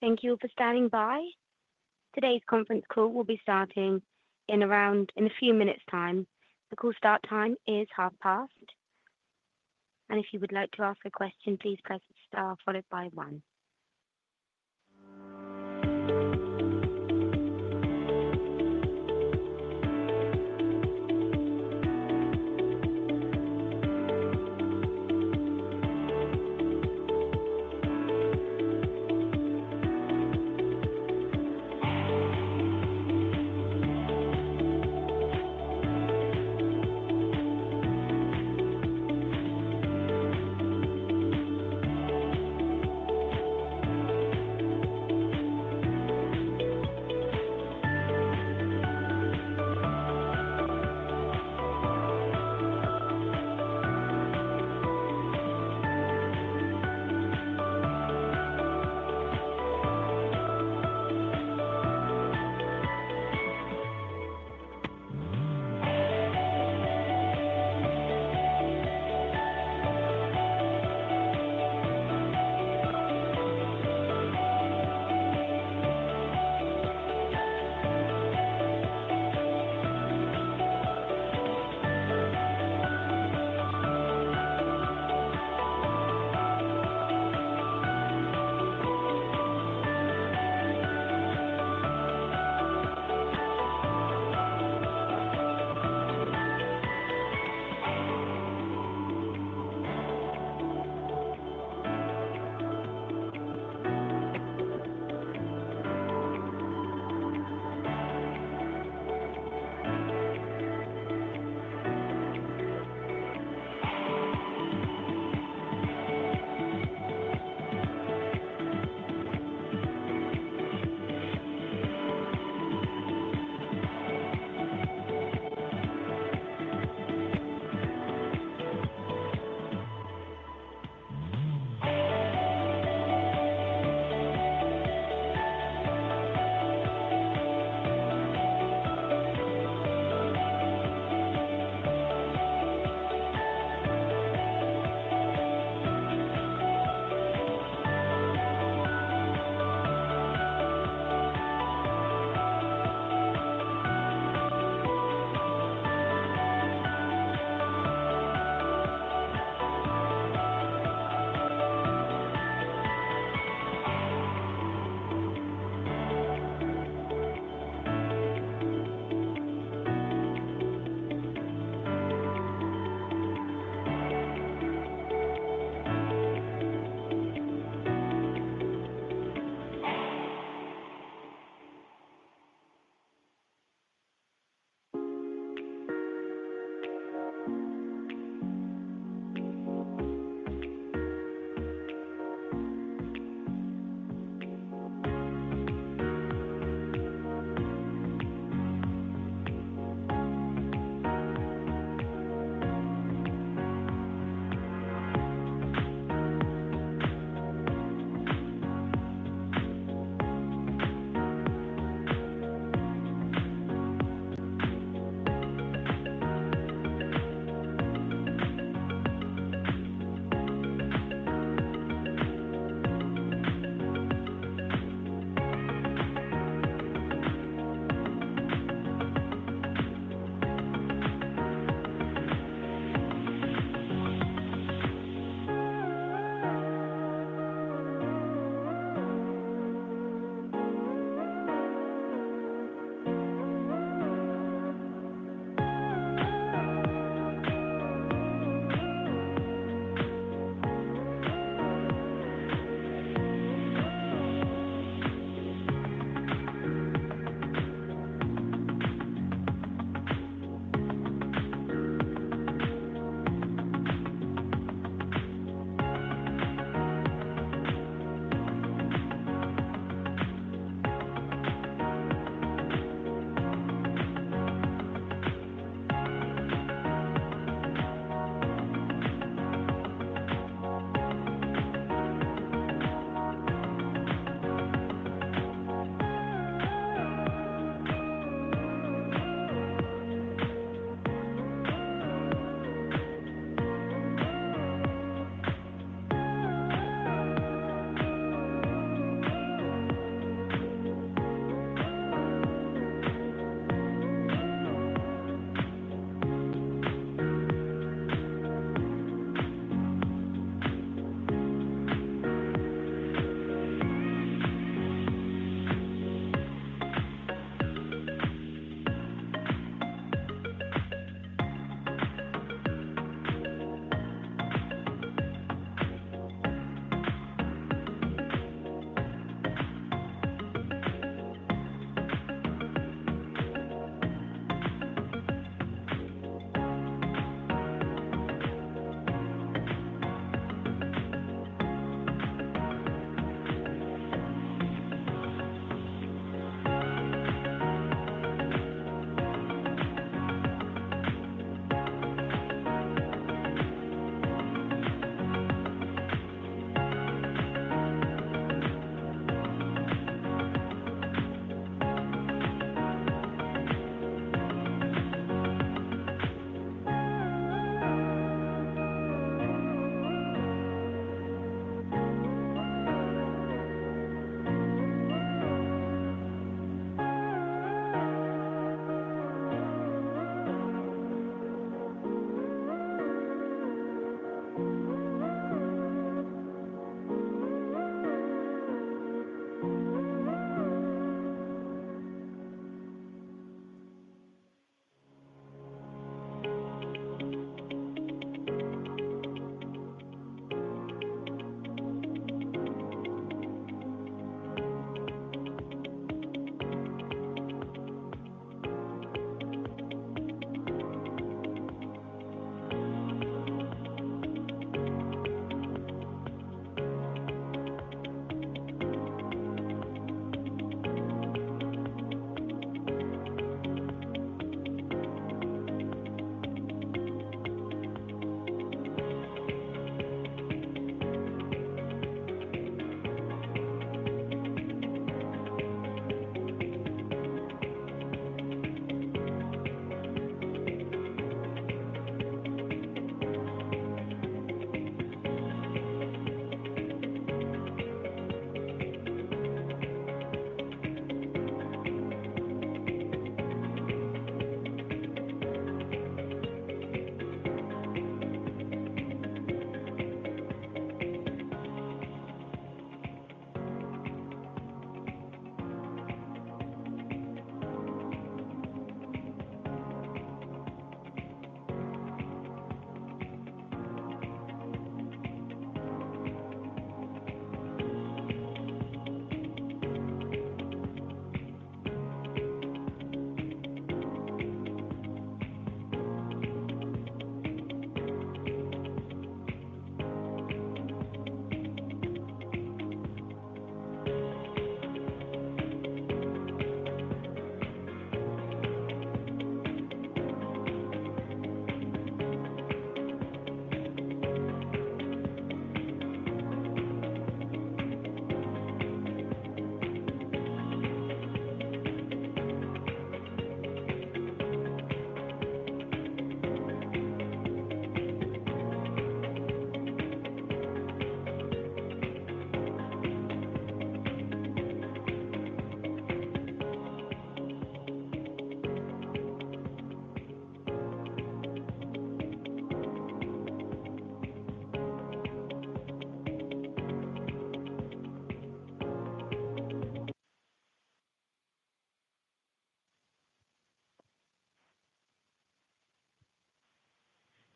Thank you for standing by. Today's conference call will be starting in a few minutes' time. The call start time is half past. If you would like to ask a question, please press the star followed by one.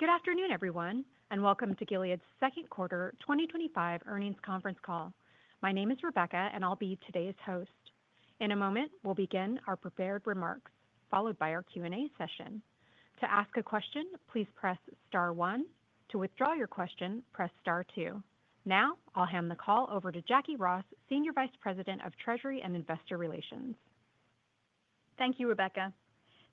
Good afternoon, everyone, and welcome to Gilead Sciences' second quarter 2025 earnings conference call. My name is Rebecca, and I'll be today's host. In a moment, we'll begin our prepared remarks, followed by our Q&A session. To ask a question, please press star one. To withdraw your question, press star two. Now, I'll hand the call over to Jacquie Ross, Senior Vice President of Treasury and Investor Relations. Thank you, Rebecca.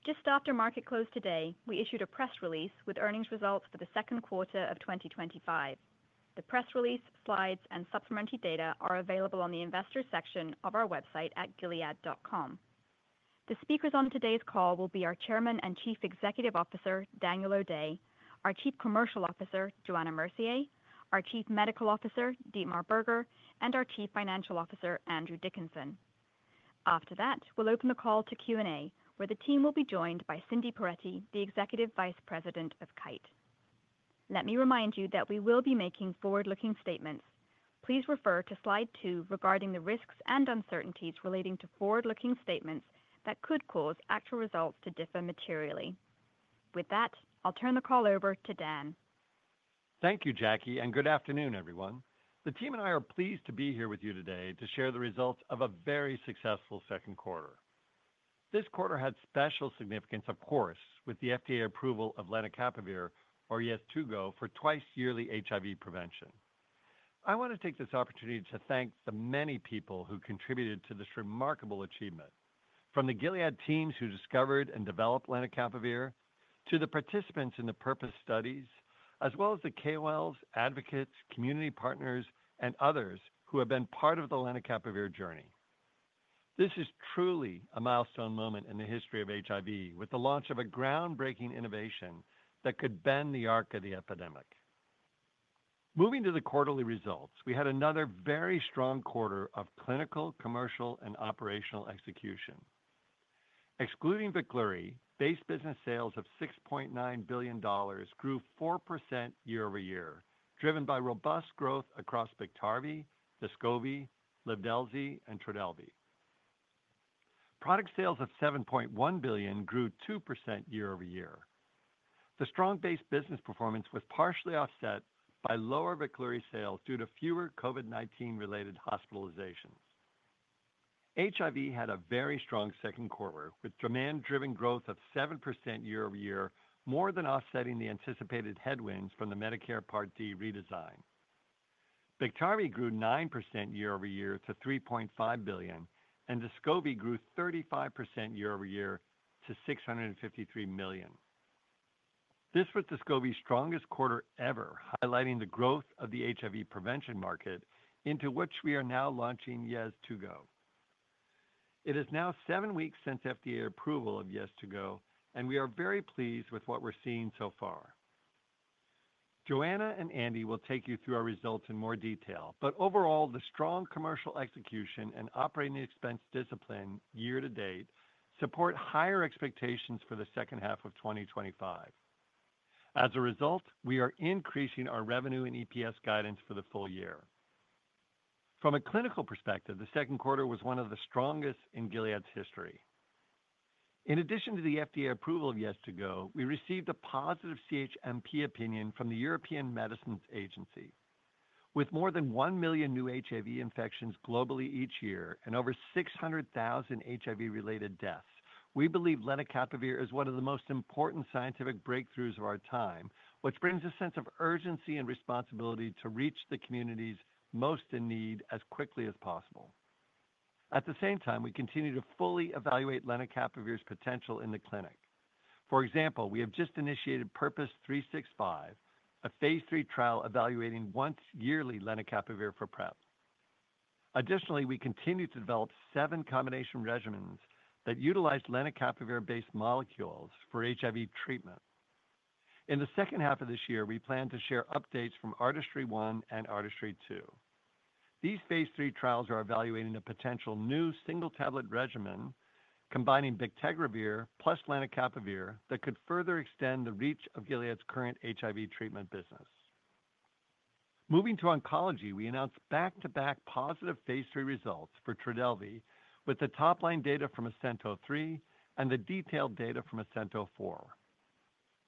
Just after market closed today, we issued a press release with earnings results for the second quarter of 2025. The press release, slides, and supplementary data are available on the investors' section of our website at gilead.com. The speakers on today's call will be our Chairman and Chief Executive Officer, Daniel O’Day, our Chief Commercial Officer, Johanna Mercier, our Chief Medical Officer, Dietmar Berger, and our Chief Financial Officer, Andrew Dickinson. After that, we'll open the call to Q&A, where the team will be joined by Cindy Perettie, the Executive Vice President of Kite. Let me remind you that we will be making forward-looking statements. Please refer to slide two regarding the risks and uncertainties relating to forward-looking statements that could cause actual results to differ materially. With that, I'll turn the call over to Dan. Thank you, Jacquie, and good afternoon, everyone. The team and I are pleased to be here with you today to share the results of a very successful second quarter. This quarter had special significance, of course, with the FDA approval of lenacapavir, or YEZTUGO for twice-yearly HIV prevention. I want to take this opportunity to thank the many people who contributed to this remarkable achievement, from the Gilead teams who discovered and developed lenacapavir to the participants in the PURPOSE studies, as well as the KOLs, advocates, community partners, and others who have been part of the lenacapavir journey. This is truly a milestone moment in the history of HIV, with the launch of a groundbreaking innovation that could bend the arc of the epidemic. Moving to the quarterly results, we had another very strong quarter of clinical, commercial, and operational execution. Excluding BIKTARVY, base business sales of $6.9 billion grew 4% year-over-year, driven by robust growth across BIKTARVY, DESCOVY, TRODELVY, and LIVDELZI. Product sales of $7.1 billion grew 2% year-over-year. The strong base business performance was partially offset by lower BIKTARVY sales due to fewer COVID-19-related hospitalizations. HIV had a very strong second quarter, with demand-driven growth of 7% year-over-year, more than offsetting the anticipated headwinds from the Medicare Part D redesign. BIKTARVY grew 9% year-over-year to $3.5 billion, and DESCOVY grew 35% year-over-year to $653 million. This was DESCOVY's strongest quarter ever, highlighting the growth of the HIV prevention market, into which we are now launching YEZTUGO. It is now seven weeks since FDA approval of YEZTUGO, and we are very pleased with what we're seeing so far. Johanna and Andy will take you through our results in more detail, but overall, the strong commercial execution and operating expense discipline year to date support higher expectations for the second half of 2025. As a result, we are increasing our revenue and EPS guidance for the full year. From a clinical perspective, the second quarter was one of the strongest in Gilead's history. In addition to the FDA approval of YEZTUGO, we received a positive CHMP opinion from the European Medicines Agency. With more than 1 million new HIV infections globally each year and over 600,000 HIV-related deaths, we believe lenacapavir is one of the most important scientific breakthroughs of our time, which brings a sense of urgency and responsibility to reach the communities most in need as quickly as possible. At the same time, we continue to fully evaluate lenacapavir's potential in the clinic. For example, we have just initiated PURPOSE 365, a phase III trial evaluating once-yearly lenacapavir for PrEP. Additionally, we continue to develop seven combination regimens that utilize lenacapavir-based molecules for HIV treatment. In the second half of this year, we plan to share updates from ARTISTRY-1 and ARTISTRY-2. These phase III trials are evaluating a potential new single-tablet regimen, combining BIKTARVY plus lenacapavir, that could further extend the reach of Gilead's current HIV treatment business. Moving to oncology, we announced back-to-back positive phase III results for TRODELVY with the top-line data from ASCENT-03 and the detailed data from ASCENT-04.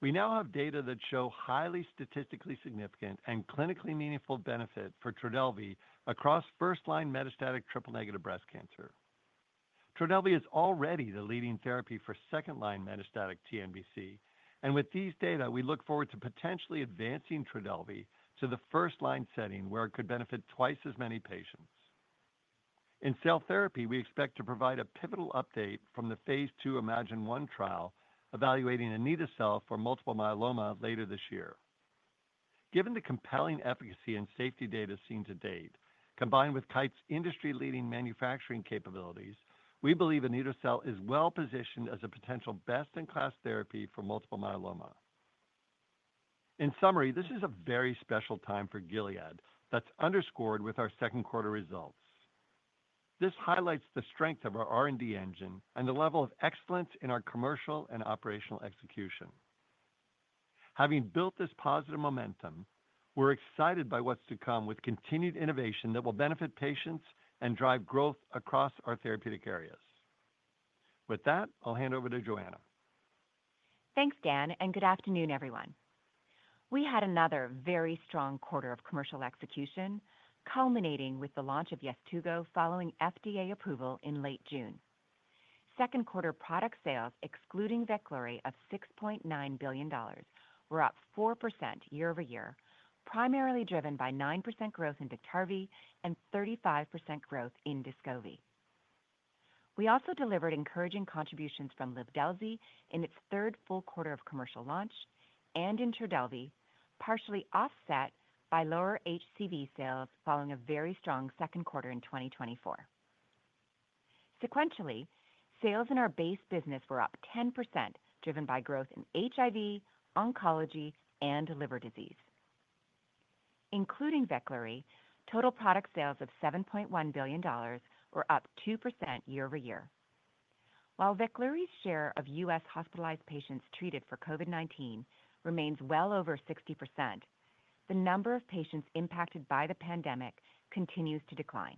We now have data that show highly statistically significant and clinically meaningful benefit for TRODELVY across first-line metastatic triple-negative breast cancer. TRODELVY is already the leading therapy for second-line metastatic TNBC, and with these data, we look forward to potentially advancing TRODELVY to the first-line setting where it could benefit twice as many patients. In cell therapy, we expect to provide a pivotal update from the phase II IMAGINE-1 trial evaluating anito-cel for multiple myeloma later this year. Given the compelling efficacy and safety data seen to date, combined with Kite's industry-leading manufacturing capabilities, we believe anito-cel is well positioned as a potential best-in-class therapy for multiple myeloma. In summary, this is a very special time for Gilead that's underscored with our second quarter results. This highlights the strength of our R&D engine and the level of excellence in our commercial and operational execution. Having built this positive momentum, we're excited by what's to come with continued innovation that will benefit patients and drive growth across our therapeutic areas. With that, I'll hand over to Johanna. Thanks, Dan, and good afternoon, everyone. We had another very strong quarter of commercial execution, culminating with the launch of YEZTUGO following FDA approval in late June. Second quarter product sales, excluding BIKTARVY, of $6.9 billion were up 4% year-over-year, primarily driven by 9% growth in BIKTARVY and 35% growth in DESCOVY. We also delivered encouraging contributions from LIVDELZI in its third full quarter of commercial launch and in TRODELVY, partially offset by lower HCV sales following a very strong second quarter in 2024. Sequentially, sales in our base business were up 10%, driven by growth in HIV, oncology, and liver disease. Including BIKTARVY, total product sales of $7.1 billion were up 2% year-over-year. While BIKTARVY's share of U.S. hospitalized patients treated for COVID-19 remains well over 60%, the number of patients impacted by the pandemic continues to decline.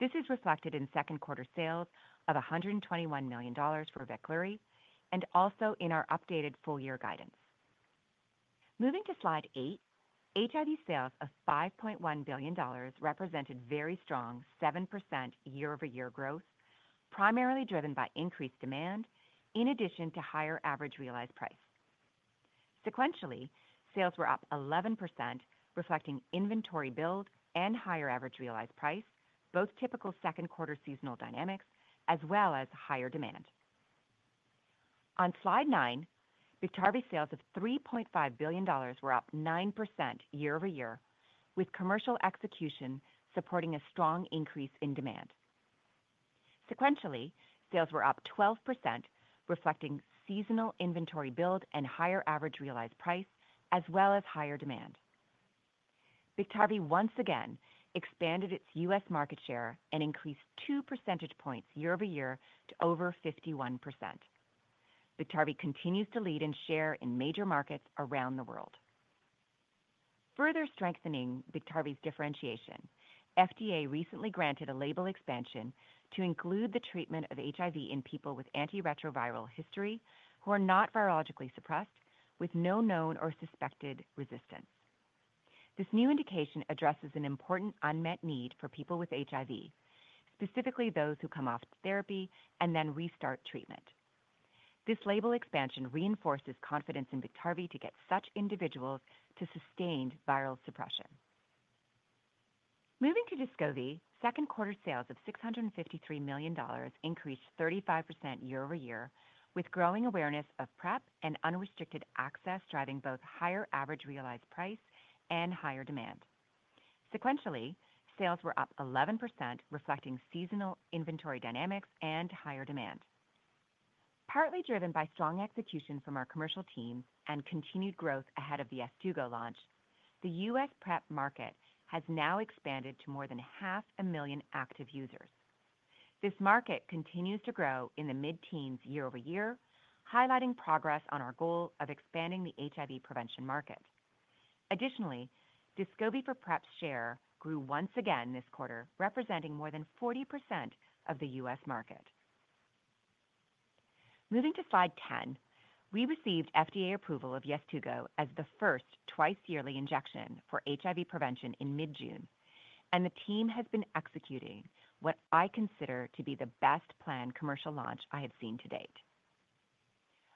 This is reflected in second quarter sales of $121 million for BIKTARVY and also in our updated full-year guidance. Moving to slide eight, HIV sales of $5.1 billion represented very strong 7% year-over-year growth, primarily driven by increased demand, in addition to higher average realized price. Sequentially, sales were up 11%, reflecting inventory build and higher average realized price, both typical second quarter seasonal dynamics, as well as higher demand. On slide nine, BIKTARVY sales of $3.5 billion were up 9% year-over-year, with commercial execution supporting a strong increase in demand. Sequentially, sales were up 12%, reflecting seasonal inventory build and higher average realized price, as well as higher demand. BIKTARVY once again expanded its U.S. market share and increased two percentage points year-over-year to over 51%. BIKTARVY continues to lead in share in major markets around the world. Further strengthening BIKTARVY's differentiation, FDA recently granted a label expansion to include the treatment of HIV in people with anti-retroviral history who are not biologically suppressed, with no known or suspected resistance. This new indication addresses an important unmet need for people with HIV, specifically those who come off therapy and then restart treatment. This label expansion reinforces confidence in BIKTARVY to get such individuals to sustained viral suppression. Moving to DESCOVY, second quarter sales of $653 million increased 35% year-over-year, with growing awareness of PrEP and unrestricted access, driving both higher average realized price and higher demand. Sequentially, sales were up 11%, reflecting seasonal inventory dynamics and higher demand. Partly driven by strong execution from our commercial team and continued growth ahead of the YEZTUGO launch, the U.S. PrEP market has now expanded to more than half a million active users. This market continues to grow in the mid-teens year-over-year, highlighting progress on our goal of expanding the HIV prevention market. Additionally, DESCOVY for PrEP's share grew once again this quarter, representing more than 40% of the U.S. market. Moving to slide 10, we received FDA approval of YEZTUGO as the first twice-yearly injection for HIV prevention in mid-June, and the team has been executing what I consider to be the best planned commercial launch I have seen to date.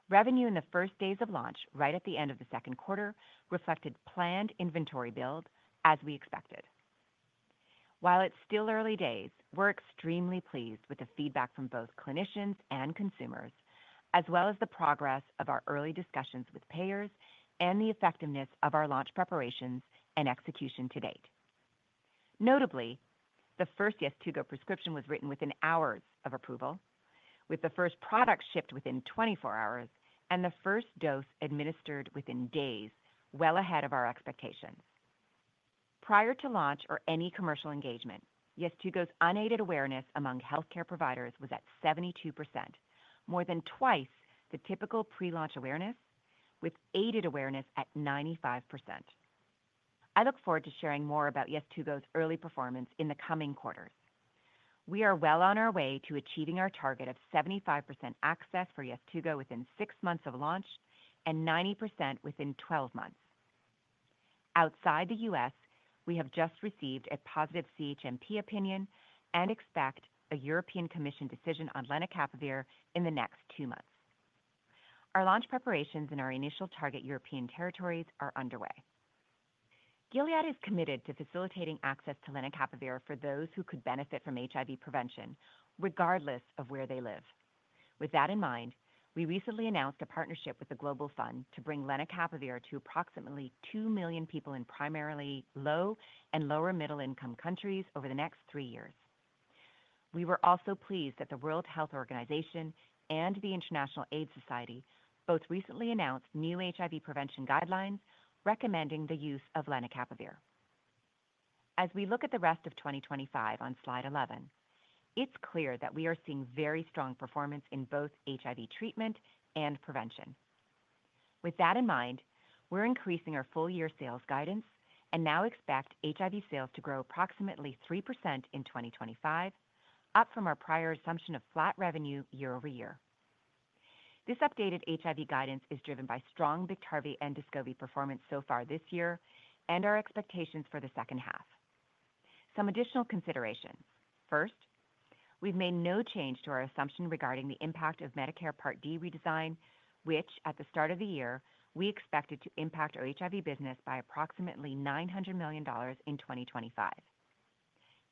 Revenue in the first days of launch, right at the end of the second quarter, reflected planned inventory build, as we expected. While it's still early days, we're extremely pleased with the feedback from both clinicians and consumers, as well as the progress of our early discussions with payers and the effectiveness of our launch preparations and execution to date. Notably, the first YEZTUGO prescription was written within hours of approval, with the first product shipped within 24 hours, and the first dose administered within days, well ahead of our expectation. Prior to launch or any commercial engagement, YEZTUGO's unaided awareness among healthcare providers was at 72%, more than twice the typical pre-launch awareness, with aided awareness at 95%. I look forward to sharing more about YEZTUGO's early performance in the coming quarters. We are well on our way to achieving our target of 75% access for YEZTUGO within six months of launch and 90% within 12 months. Outside the U.S., we have just received a positive CHMP opinion and expect a European Commission decision on lenacapavir in the next two months. Our launch preparations in our initial target European territories are underway. Gilead Sciences is committed to facilitating access to lenacapavir for those who could benefit from HIV prevention, regardless of where they live. With that in mind, we recently announced a partnership with the Global Fund to bring lenacapavir to approximately 2 million people in primarily low and lower-middle-income countries over the next three years. We were also pleased that the World Health Organization and the International AIDS Society both recently announced new HIV prevention guidelines recommending the use of lenacapavir. As we look at the rest of 2025 on slide 11, it's clear that we are seeing very strong performance in both HIV treatment and prevention. With that in mind, we're increasing our full-year sales guidance and now expect HIV sales to grow approximately 3% in 2025, up from our prior assumption of flat revenue year-over-year. This updated HIV guidance is driven by strong BIKTARVY and DESCOVY performance so far this year and our expectations for the second half. Some additional consideration. First, we've made no change to our assumption regarding the impact of Medicare Part D redesign, which at the start of the year, we expected to impact our HIV business by approximately $900 million in 2025.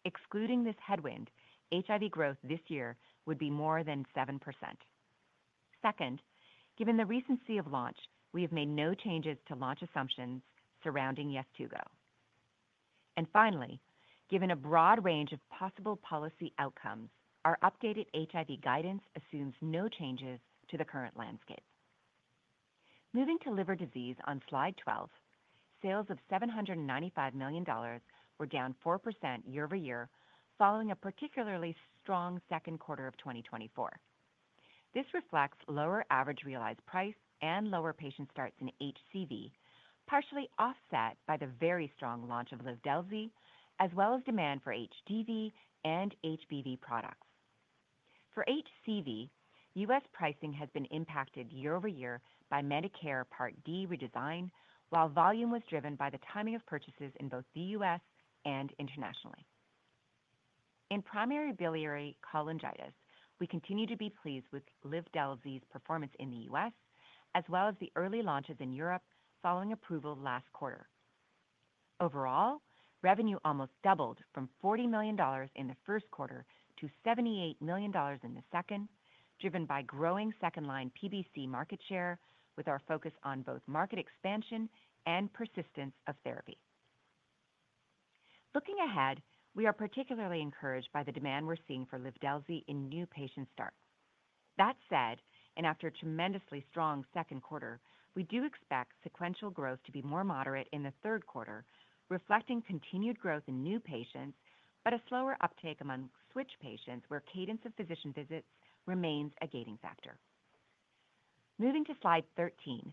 Excluding this headwind, HIV growth this year would be more than 7%. Second, given the recency of launch, we have made no changes to launch assumptions surrounding YEZTUGO. Finally, given a broad range of possible policy outcomes, our updated HIV guidance assumes no changes to the current landscape. Moving to liver disease on slide 12, sales of $795 million were down 4% year-over-year, following a particularly strong second quarter of 2024. This reflects lower average realized price and lower patient starts in HCV, partially offset by the very strong launch of LIVDELZI, as well as demand for HDV and HBV products. For HCV, U.S. pricing has been impacted year-over-year by Medicare Part D redesign, while volume was driven by the timing of purchases in both the U.S. and internationally. In primary biliary cholangitis, we continue to be pleased with LIVDELZI's performance in the U.S., as well as the early launches in Europe following approval last quarter. Overall, revenue almost doubled from $40 million in the first quarter to $78 million in the second, driven by growing second-line PBC market share, with our focus on both market expansion and persistence of therapy. Looking ahead, we are particularly encouraged by the demand we're seeing for LIVDELZI in new patient starts. That said, and after a tremendously strong second quarter, we do expect sequential growth to be more moderate in the third quarter, reflecting continued growth in new patients, but a slower uptake among switch patients, where cadence of physician visits remains a gating factor. Moving to slide 13,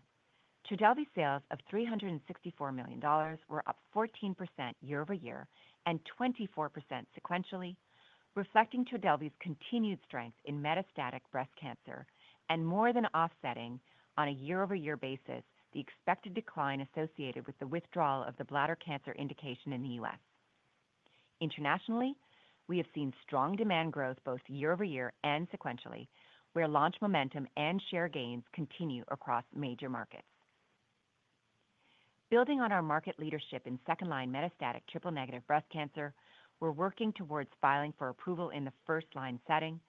TRODELVY sales of $364 million were up 14% year-over-year and 24% sequentially, reflecting TRODELVY's continued strength in metastatic breast cancer and more than offsetting, on a year-over-year basis, the expected decline associated with the withdrawal of the bladder cancer indication in the U.S. Internationally, we have seen strong demand growth both year-over-year and sequentially, where launch momentum and share gains continue across major markets. Building on our market leadership in second-line metastatic triple-negative breast cancer, we're working towards filing for approval in the first-line setting,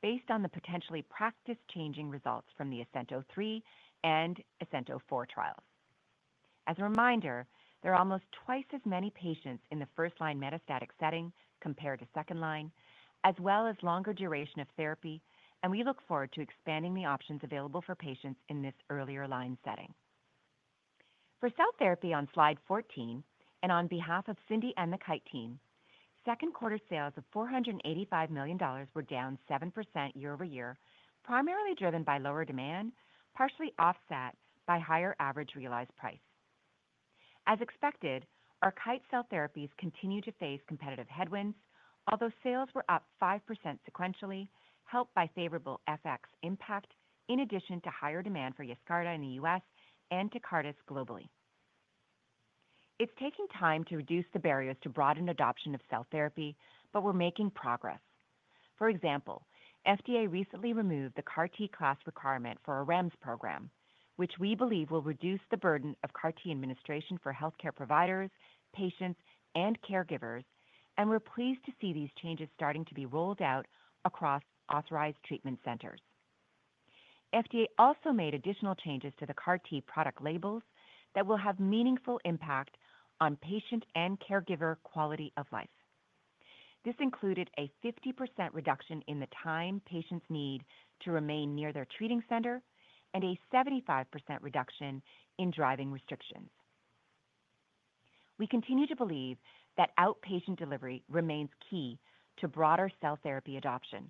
based on the potentially practice-changing results from the ASCENT-03 and ASCENT-04 trials. As a reminder, there are almost twice as many patients in the first-line metastatic setting compared to second-line, as well as longer duration of therapy, and we look forward to expanding the options available for patients in this earlier line setting. For cell therapy on slide 14, and on behalf of Cindy and the Kite team, second quarter sales of $485 million were down 7% year-over-year, primarily driven by lower demand, partially offset by higher average realized price. As expected, our Kite cell therapies continue to face competitive headwinds, although sales were up 5% sequentially, helped by favorable FX impact, in addition to higher demand for YESCARTA in the U.S. and Tecartus globally. It's taking time to reduce the barriers to broadened adoption of cell therapy, but we're making progress. For example, FDA recently removed the CAR T class requirement for a REMS program, which we believe will reduce the burden of CAR T administration for healthcare providers, patients, and caregivers, and we're pleased to see these changes starting to be rolled out across authorized treatment centers. FDA also made additional changes to the CAR T product labels that will have meaningful impact on patient and caregiver quality of life. This included a 50% reduction in the time patients need to remain near their treating center and a 75% reduction in driving restrictions. We continue to believe that outpatient delivery remains key to broader cell therapy adoption.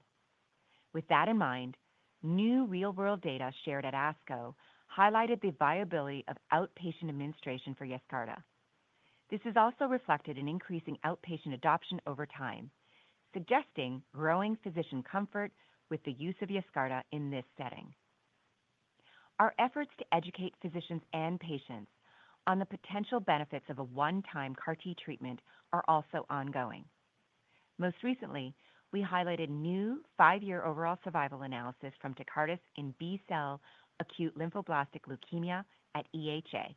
With that in mind, new real-world data shared at ASCO highlighted the viability of outpatient administration for YESCARTA. This is also reflected in increasing outpatient adoption over time, suggesting growing physician comfort with the use of YESCARTA in this setting. Our efforts to educate physicians and patients on the potential benefits of a one-time CAR T treatment are also ongoing. Most recently, we highlighted new five-year overall survival analysis from Tecartus in B-cell acute lymphoblastic leukemia at EHA,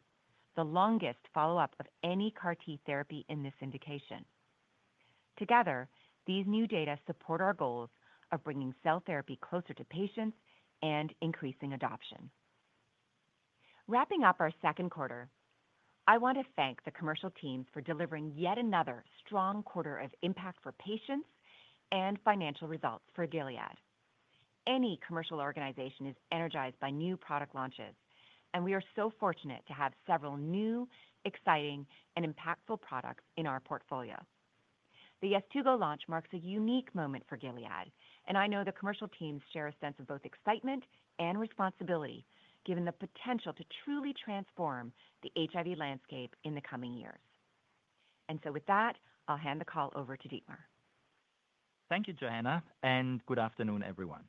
the longest follow-up of any CAR T therapy in this indication. Together, these new data support our goals of bringing cell therapy closer to patients and increasing adoption. Wrapping up our second quarter, I want to thank the commercial teams for delivering yet another strong quarter of impact for patients and financial results for Gilead. Any commercial organization is energized by new product launches, and we are so fortunate to have several new, exciting, and impactful products in our portfolio. The YEZTUGO launch marks a unique moment for Gilead, and I know the commercial teams share a sense of both excitement and responsibility, given the potential to truly transform the HIV landscape in the coming years. With that, I'll hand the call over to Dietmar. Thank you, Johanna, and good afternoon, everyone.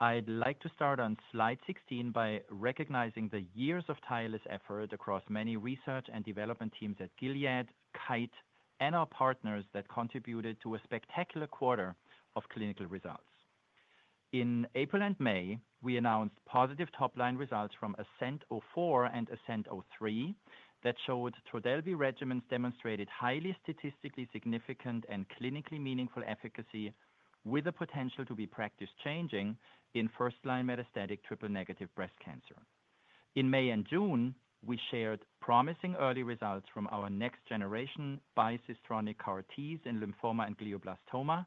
I'd like to start on slide 16 by recognizing the years of tireless effort across many research and development teams at Gilead, Kite, and our partners that contributed to a spectacular quarter of clinical results. In April and May, we announced positive top-line results from ASCENT-04 and ASCENT-03 that showed TRODELVY regimens demonstrated highly statistically significant and clinically meaningful efficacy, with the potential to be practice-changing in first-line metastatic triple-negative breast cancer. In May and June, we shared promising early results from our next generation bispecific CAR T-therapies in lymphoma and glioblastoma.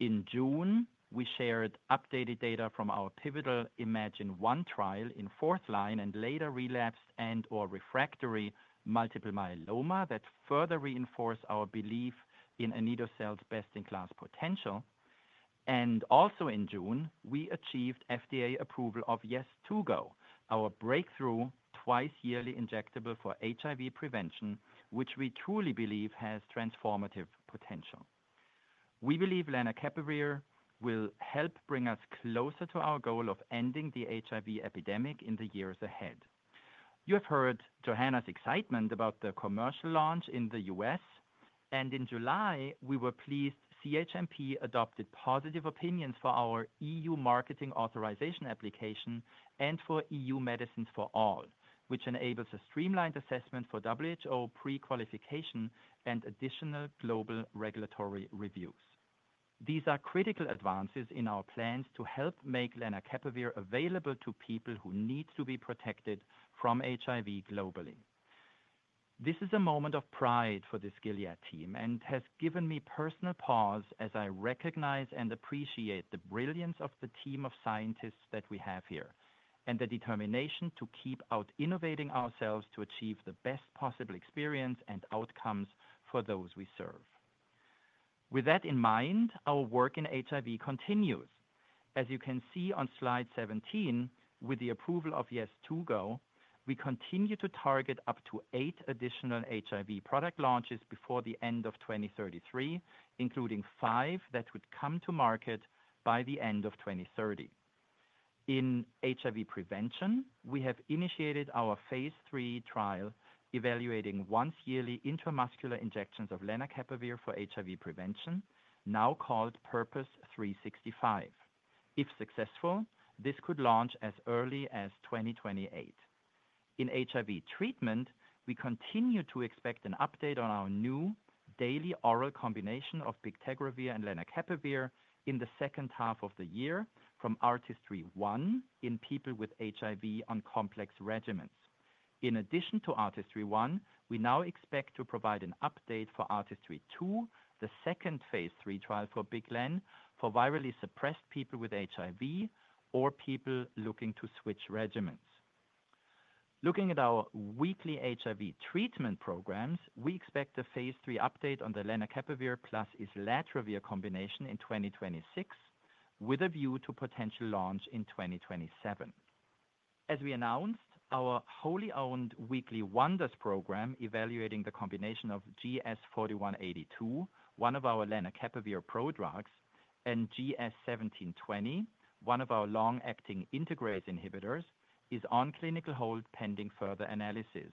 In June, we shared updated data from our pivotal IMAGINE-1 trial in fourth-line and later relapsed and/or refractory multiple myeloma that further reinforced our belief in Kite's best-in-class potential. In June, we achieved FDA approval of YEZTUGO, our breakthrough twice-yearly injectable for HIV prevention, which we truly believe has transformative potential. We believe lenacapavir will help bring us closer to our goal of ending the HIV epidemic in the years ahead. You have heard Johanna's excitement about the commercial launch in the U.S., and in July, we were pleased CHMP adopted positive opinions for our EU marketing authorization application and for EU Medicines for All, which enables a streamlined assessment for WHO pre-qualification and additional global regulatory reviews. These are critical advances in our plans to help make lenacapavir available to people who need to be protected from HIV globally. This is a moment of pride for this Gilead Sciences team and has given me personal pause as I recognize and appreciate the brilliance of the team of scientists that we have here and the determination to keep on innovating ourselves to achieve the best possible experience and outcomes for those we serve. With that in mind, our work in HIV continues. As you can see on slide 17, with the approval of YEZTUGO, we continue to target up to eight additional HIV product launches before the end of 2033, including five that would come to market by the end of 2030. In HIV prevention, we have initiated our phase III trial evaluating once-yearly intramuscular injections of lenacapavir for HIV prevention, now called PURPOSE 365. If successful, this could launch as early as 2028. In HIV treatment, we continue to expect an update on our new daily oral combination of bictagravir and lenacapavir in the second half of the year from ARTISTRY-1 in people with HIV on complex regimens. In addition to ARTISTRY-1, we now expect to provide an update for ARTISTRY-2, the second phase III trial for BIKTARVY for virally suppressed people with HIV or people looking to switch regimens. Looking at our weekly HIV treatment programs, we expect a phase III update on the lenacapavir plus islatravir combination in 2026, with a view to potential launch in 2027. As we announced, our wholly owned weekly Wonders program evaluating the combination of GS4182, one of our lenacapavir prodrugs, and GS1720, one of our long-acting integrase inhibitors, is on clinical hold pending further analysis.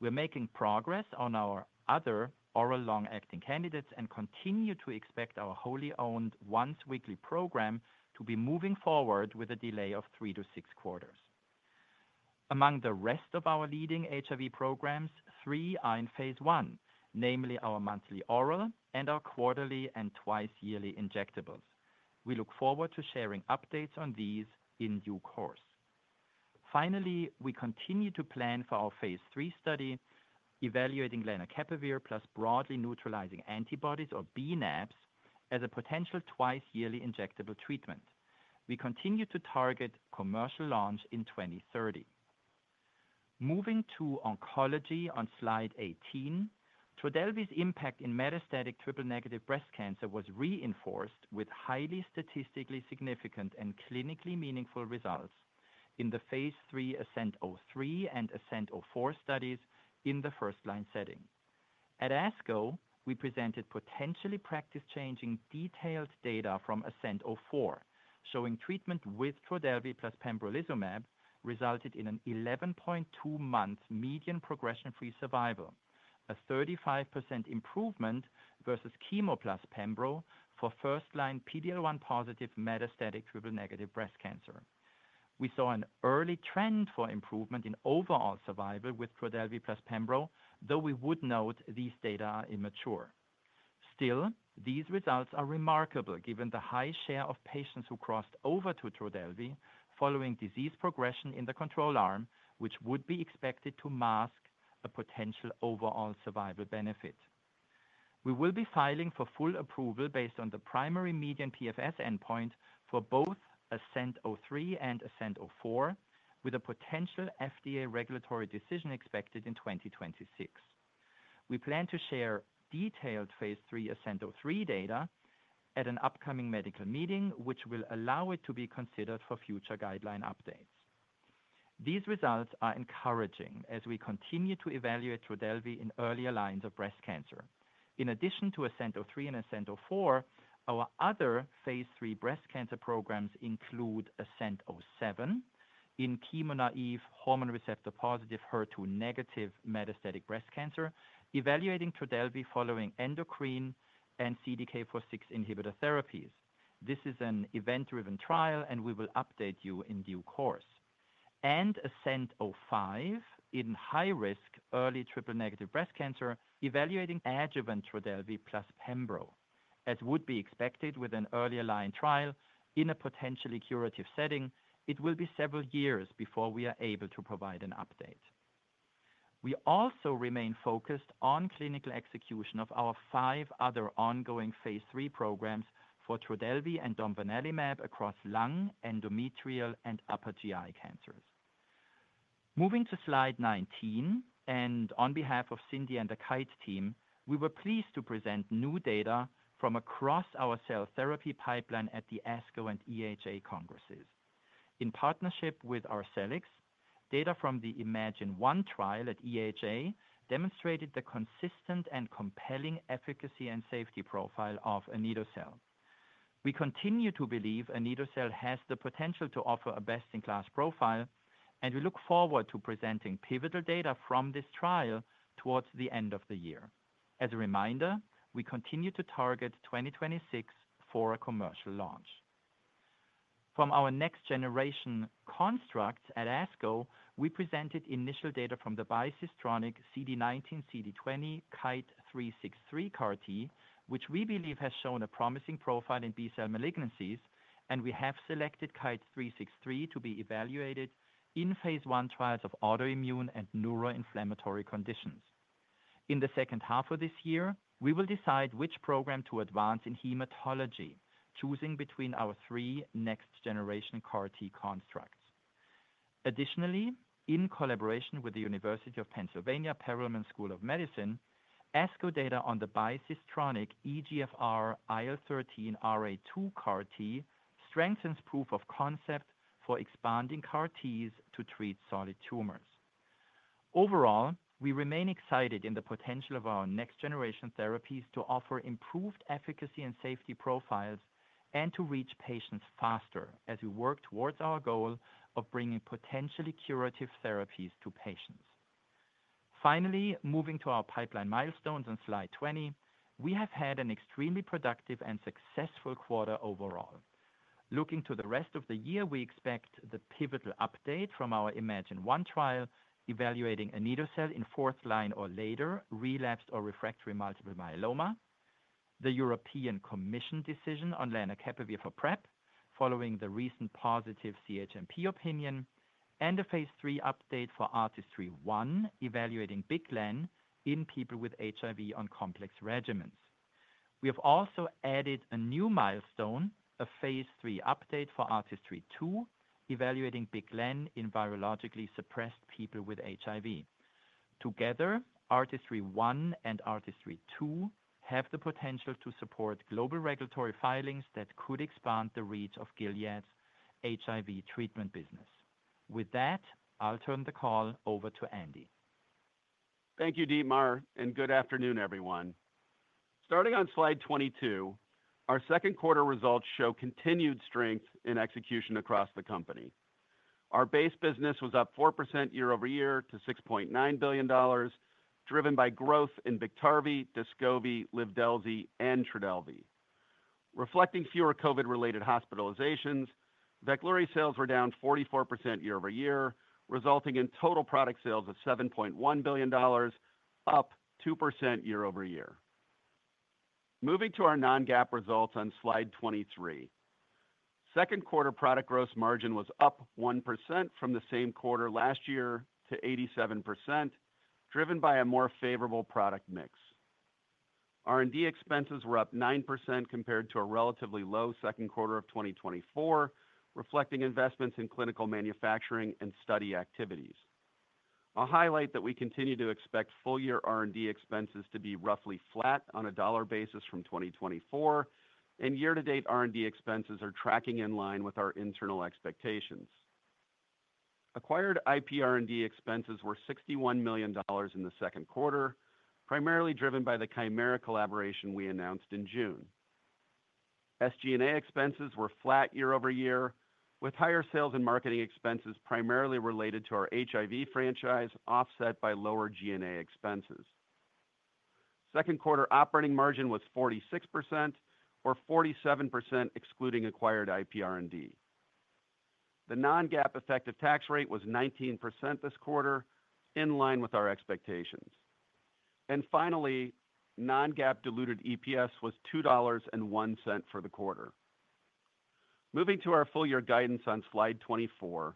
We're making progress on our other oral long-acting candidates and continue to expect our wholly owned once-weekly program to be moving forward with a delay of three to six quarters. Among the rest of our leading HIV programs, three are in phase I, namely our monthly oral and our quarterly and twice-yearly injectables. We look forward to sharing updates on these in due course. Finally, we continue to plan for our phase III study evaluating lenacapavir plus broadly neutralizing antibodies, or BNABs, as a potential twice-yearly injectable treatment. We continue to target commercial launch in 2030. Moving to oncology on slide 18, TRODELVY's impact in metastatic triple-negative breast cancer was reinforced with highly statistically significant and clinically meaningful results in the phase III ASCENT-03 and ASCENT-04 studies in the first-line setting. At ASCO, we presented potentially practice-changing detailed data from ASCENT-04, showing treatment with TRODELVY plus pembrolizumab resulted in an 11.2-month median progression-free survival, a 35% improvement versus chemo plus pembrolizumab for first-line PD-L1 positive metastatic triple-negative breast cancer. We saw an early trend for improvement in overall survival with TRODELVY plus pembrolizumab, though we would note these data are immature. Still, these results are remarkable given the high share of patients who crossed over to TRODELVY following disease progression in the control arm, which would be expected to mask a potential overall survival benefit. We will be filing for full approval based on the primary median PFS endpoint for both ASCENT-03 and ASCENT-04, with a potential FDA regulatory decision expected in 2026. We plan to share detailed phase III ASCENT-03 data at an upcoming medical meeting, which will allow it to be considered for future guideline updates. These results are encouraging as we continue to evaluate TRODELVY in earlier lines of breast cancer. In addition to ASCENT-03 and ASCENT-04, our other phase III breast cancer programs include ASCENT-07 in chemo-naïve hormone receptor-positive HER2-negative metastatic breast cancer, evaluating TRODELVY following endocrine and CDK4/6 inhibitor therapies. This is an event-driven trial, and we will update you in due course. ASCENT-05 in high-risk early triple-negative breast cancer is evaluating adjuvant TRODELVY plus pembrolizumab. As would be expected with an earlier line trial in a potentially curative setting, it will be several years before we are able to provide an update. We also remain focused on clinical execution of our five other ongoing phase III programs for TRODELVY and domvanalimab across lung, endometrial, and upper GI cancers. Moving to slide 19, and on behalf of Cindy Perettie and the Kite team, we were pleased to present new data from across our cell therapy pipeline at the ASCO and EHA congresses. In partnership with our colleagues, data from the IMAGINE-1 trial at EHA demonstrated the consistent and compelling efficacy and safety profile of anito-cel. We continue to believe anito-cel has the potential to offer a best-in-class profile, and we look forward to presenting pivotal data from this trial towards the end of the year. As a reminder, we continue to target 2026 for a commercial launch. From our next-generation constructs at ASCO, we presented initial data from the bispecific CD19, CD20, KITE-363 CAR T, which we believe has shown a promising profile in B-cell malignancies, and we have selected KITE-363 to be evaluated in phase I trials of autoimmune and neuroinflammatory conditions. In the second half of this year, we will decide which program to advance in hematology, choosing between our three next-generation CAR T constructs. Additionally, in collaboration with the University of Pennsylvania Perelman School of Medicine, ASCO data on the bispecific EGFR IL-13 RA2 CAR T strengthens proof of concept for expanding CAR Ts to treat solid tumors. Overall, we remain excited in the potential of our next-generation therapies to offer improved efficacy and safety profiles and to reach patients faster as we work towards our goal of bringing potentially curative therapies to patients. Finally, moving to our pipeline milestones on slide 20, we have had an extremely productive and successful quarter overall. Looking to the rest of the year, we expect the pivotal update from our IMAGINE-1 trial evaluating anito-cel in fourth-line or later relapsed or refractory multiple myeloma, the European Commission decision on lenacapavir for PrEP following the recent positive CHMP opinion, and a phase III update for ARTISTRY-1 evaluating BIKTARVY in people with HIV on complex regimens. We have also added a new milestone, a phase III update for ARTISTRY-2 evaluating BIKTARVY in virologically suppressed people with HIV. Together, ARTISTRY-1 and ARTISTRY-2 have the potential to support global regulatory filings that could expand the reach of Gilead Sciences' HIV treatment business. With that, I'll turn the call over to Andy. Thank you, Dietmar, and good afternoon, everyone. Starting on slide 22, our second quarter results show continued strength in execution across the company. Our base business was up 4% year-over-year to $6.9 billion, driven by growth in BIKTARVY, DESCOVY, LIVDELZI, and TRODELVY. Reflecting fewer COVID-related hospitalizations, BIKTARVY sales were down 44% year-over-year, resulting in total product sales of $7.1 billion, up 2% year-over-year. Moving to our non-GAAP results on slide 23, second quarter product gross margin was up 1% from the same quarter last year to 87%, driven by a more favorable product mix. R&D expenses were up 9% compared to a relatively low second quarter of 2024, reflecting investments in clinical manufacturing and study activities. I'll highlight that we continue to expect full-year R&D expenses to be roughly flat on a dollar basis from 2024, and year-to-date R&D expenses are tracking in line with our internal expectations. Acquired IP R&D expenses were $61 million in the second quarter, primarily driven by the Chimera collaboration we announced in June. SG&A expenses were flat year-over-year, with higher sales and marketing expenses primarily related to our HIV franchise, offset by lower G&A expenses. Second quarter operating margin was 46%, or 47% excluding acquired IP R&D. The non-GAAP effective tax rate was 19% this quarter, in line with our expectations. Finally, non-GAAP diluted EPS was $2.01 for the quarter. Moving to our full-year guidance on slide 24,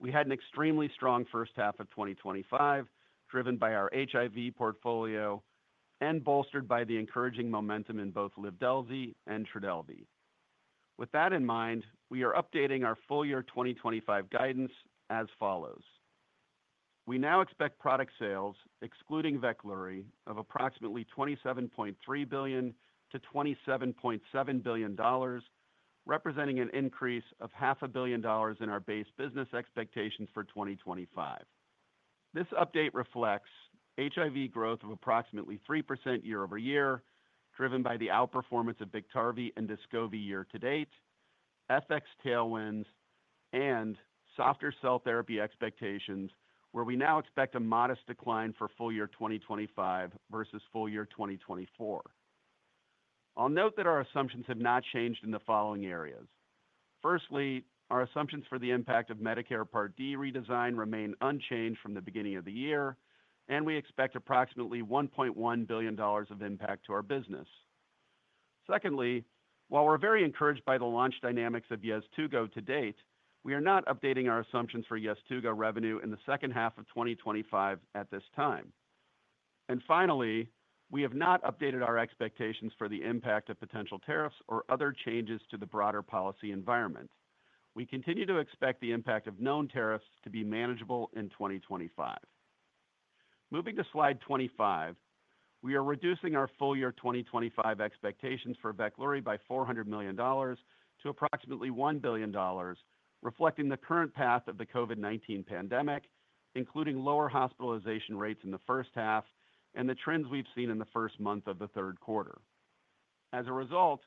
we had an extremely strong first half of 2025, driven by our HIV portfolio and bolstered by the encouraging momentum in both LIVDELZI and TRODELVY. With that in mind, we are updating our full-year 2025 guidance as follows. We now expect product sales, excluding BIKTARVY, of approximately $27.3 billion to $27.7 billion, representing an increase of half a billion dollars in our base business expectations for 2025. This update reflects HIV growth of approximately 3% year-over-year, driven by the outperformance of BIKTARVY and DESCOVY year to date, FX tailwinds, and softer cell therapy expectations, where we now expect a modest decline for full-year 2025 versus full-year 2024. I'll note that our assumptions have not changed in the following areas. Firstly, our assumptions for the impact of Medicare Part D redesign remain unchanged from the beginning of the year, and we expect approximately $1.1 billion of impact to our business. Secondly, while we're very encouraged by the launch dynamics of YEZTUGO to date, we are not updating our assumptions for YEZTUGO revenue in the second half of 2025 at this time. Finally, we have not updated our expectations for the impact of potential tariffs or other changes to the broader policy environment. We continue to expect the impact of known tariffs to be manageable in 2025. Moving to slide 25, we are reducing our full-year 2025 expectations for BIKTARVY by $400 million to approximately $1 billion, reflecting the current path of the COVID-19 pandemic, including lower hospitalization rates in the first half and the trends we've seen in the first month of the third quarter. As a result,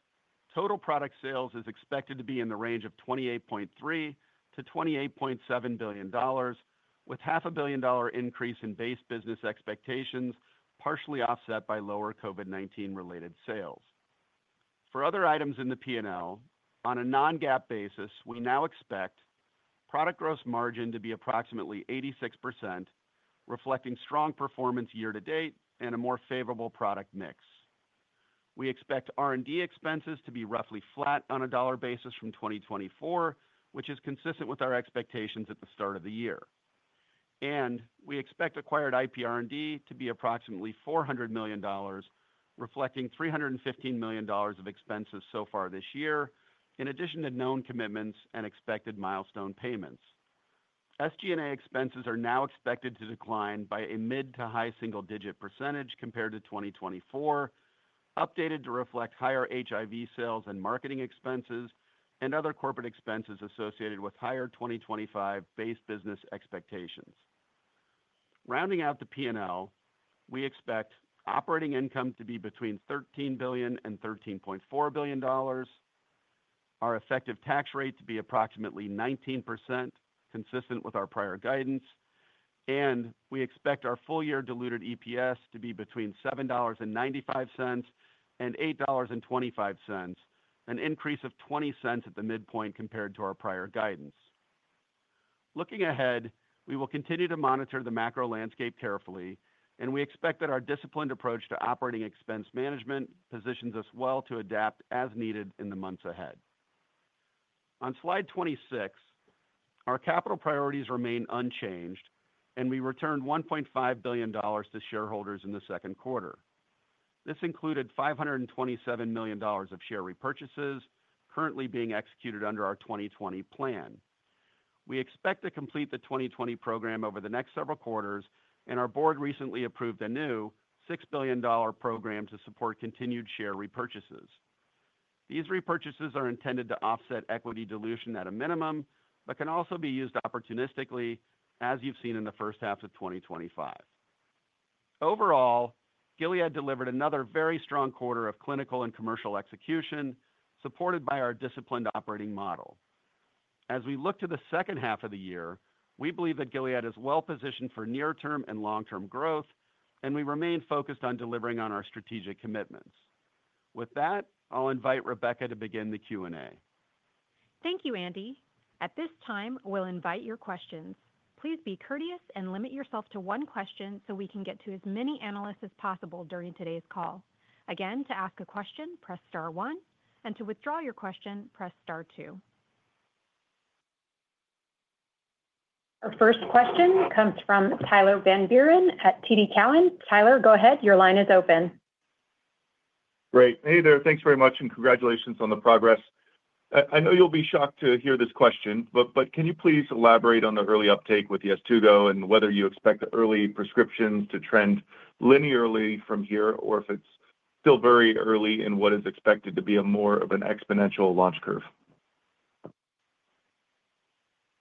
total product sales is expected to be in the range of $28.3 billion-$28.7 billion, with a half a billion dollar increase in base business expectations, partially offset by lower COVID-19-related sales. For other items in the P&L, on a non-GAAP basis, we now expect product gross margin to be approximately 86%, reflecting strong performance year to date and a more favorable product mix. We expect R&D expenses to be roughly flat on a dollar basis from 2024, which is consistent with our expectations at the start of the year. We expect acquired IP R&D to be approximately $400 million, reflecting $315 million of expenses so far this year, in addition to known commitments and expected milestone payments. SG&A expenses are now expected to decline by a mid to high single-digit percentage compared to 2024, updated to reflect higher HIV sales and marketing expenses and other corporate expenses associated with higher 2025 base business expectations. Rounding out the P&L, we expect operating income to be between $13 billion and $13.4 billion, our effective tax rate to be approximately 19%, consistent with our prior guidance, and we expect our full-year diluted EPS to be between $7.95 and $8.25, an increase of $0.20 at the midpoint compared to our prior guidance. Looking ahead, we will continue to monitor the macro landscape carefully, and we expect that our disciplined approach to operating expense management positions us well to adapt as needed in the months ahead. On slide 26, our capital priorities remain unchanged, and we returned $1.5 billion to shareholders in the second quarter. This included $527 million of share repurchases, currently being executed under our 2020 plan. We expect to complete the 2020 program over the next several quarters, and our board recently approved a new $6 billion program to support continued share repurchases. These repurchases are intended to offset equity dilution at a minimum, but can also be used opportunistically, as you've seen in the first half of 2025. Overall, Gilead delivered another very strong quarter of clinical and commercial execution, supported by our disciplined operating model. As we look to the second half of the year, we believe that Gilead is well positioned for near-term and long-term growth, and we remain focused on delivering on our strategic commitments. With that, I'll invite Rebecca to begin the Q&A. Thank you, Andy. At this time, we'll invite your questions. Please be courteous and limit yourself to one question so we can get to as many analysts as possible during today's call. Again, to ask a question, press star one, and to withdraw your question, press star two. Our first question comes from Tyler Van Buren at TD Cowen. Tyler, go ahead. Your line is open. Great. Hey there. Thanks very much, and congratulations on the progress. I know you'll be shocked to hear this question, but can you please elaborate on the early uptake with YEZTUGO and whether you expect the early prescriptions to trend linearly from here or if it's still very early in what is expected to be more of an exponential launch curve?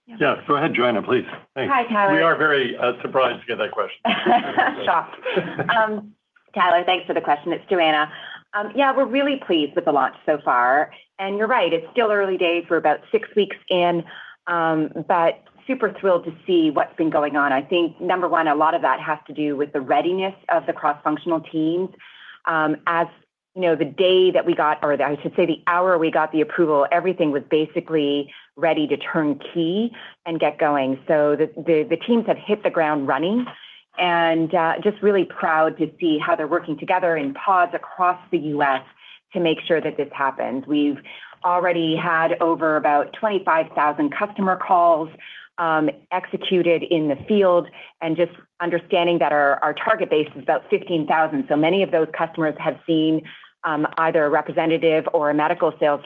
Yeah, go ahead, Johanna, please. Hi, Tyler. We are very surprised to get that question. Shocked. Tyler, thanks for the question. It's Johanna. Yeah, we're really pleased with the launch so far, and you're right. It's still early days, about six weeks in, but super thrilled to see what's been going on. I think, number one, a lot of that has to do with the readiness of the cross-functional teams. As you know, the day that we got, or I should say the hour we got the approval, everything was basically ready to turn key and get going. The teams have hit the ground running, and just really proud to see how they're working together in pods across the U.S. to make sure that this happens. We've already had over about 25,000 customer calls executed in the field, and just understanding that our target base is about 15,000, so many of those customers have seen either a representative or a medical sales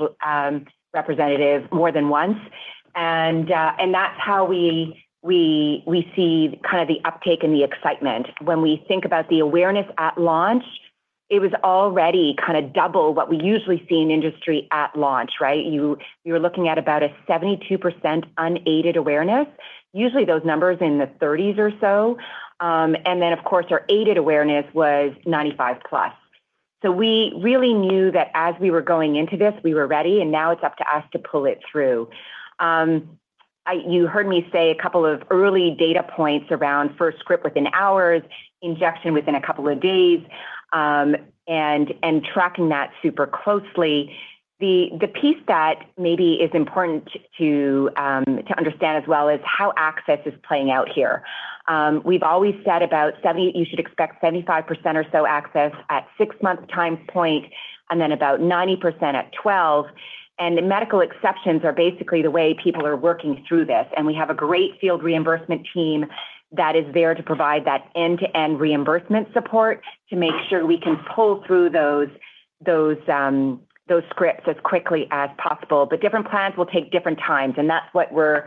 representative more than once. That's how we see kind of the uptake and the excitement. When we think about the awareness at launch, it was already kind of double what we usually see in industry at launch, right? You were looking at about a 72% unaided awareness. Usually, those numbers are in the 30s or so, and then, of course, our aided awareness was 95%+. We really knew that as we were going into this, we were ready, and now it's up to us to pull it through. You heard me say a couple of early data points around first script within hours, injection within a couple of days, and tracking that super closely. The piece that maybe is important to understand as well is how access is playing out here. We've always said about you should expect 75% or so access at six-month time point, and then about 90% at 12. The medical exceptions are basically the way people are working through this, and we have a great field reimbursement team that is there to provide that end-to-end reimbursement support to make sure we can pull through those scripts as quickly as possible. Different plans will take different times, and that's what we're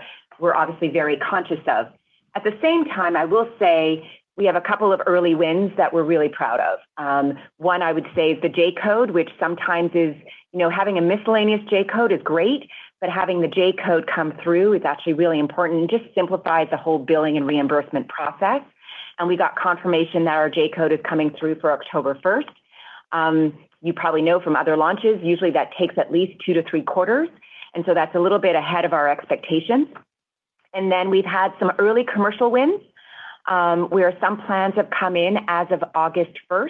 obviously very conscious of. At the same time, I will say we have a couple of early wins that we're really proud of. One, I would say, is the J-code, which sometimes is, you know, having a miscellaneous J-code is great, but having the J-code come through is actually really important and just simplifies the whole billing and reimbursement process. We got confirmation that our J-code is coming through for October 1st. You probably know from other launches, usually that takes at least two to three quarters, and that's a little bit ahead of our expectations. We've had some early commercial wins, where some plans have come in as of August 1.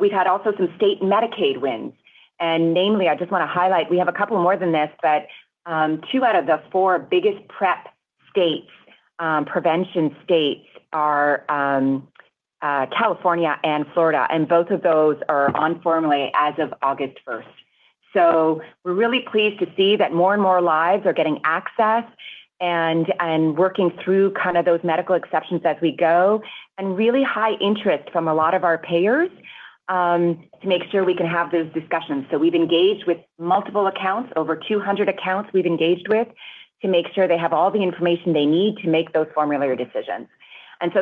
We've had also some state Medicaid wins, and namely, I just want to highlight, we have a couple more than this, but two out of the four biggest PrEP states, prevention states, are California and Florida, and both of those are on formulary as of August 1st. We're really pleased to see that more and more lives are getting access and working through kind of those medical exceptions as we go, and really high interest from a lot of our payers to make sure we can have those discussions. We've engaged with multiple accounts, over 200 accounts we've engaged with, to make sure they have all the information they need to make those formulary decisions.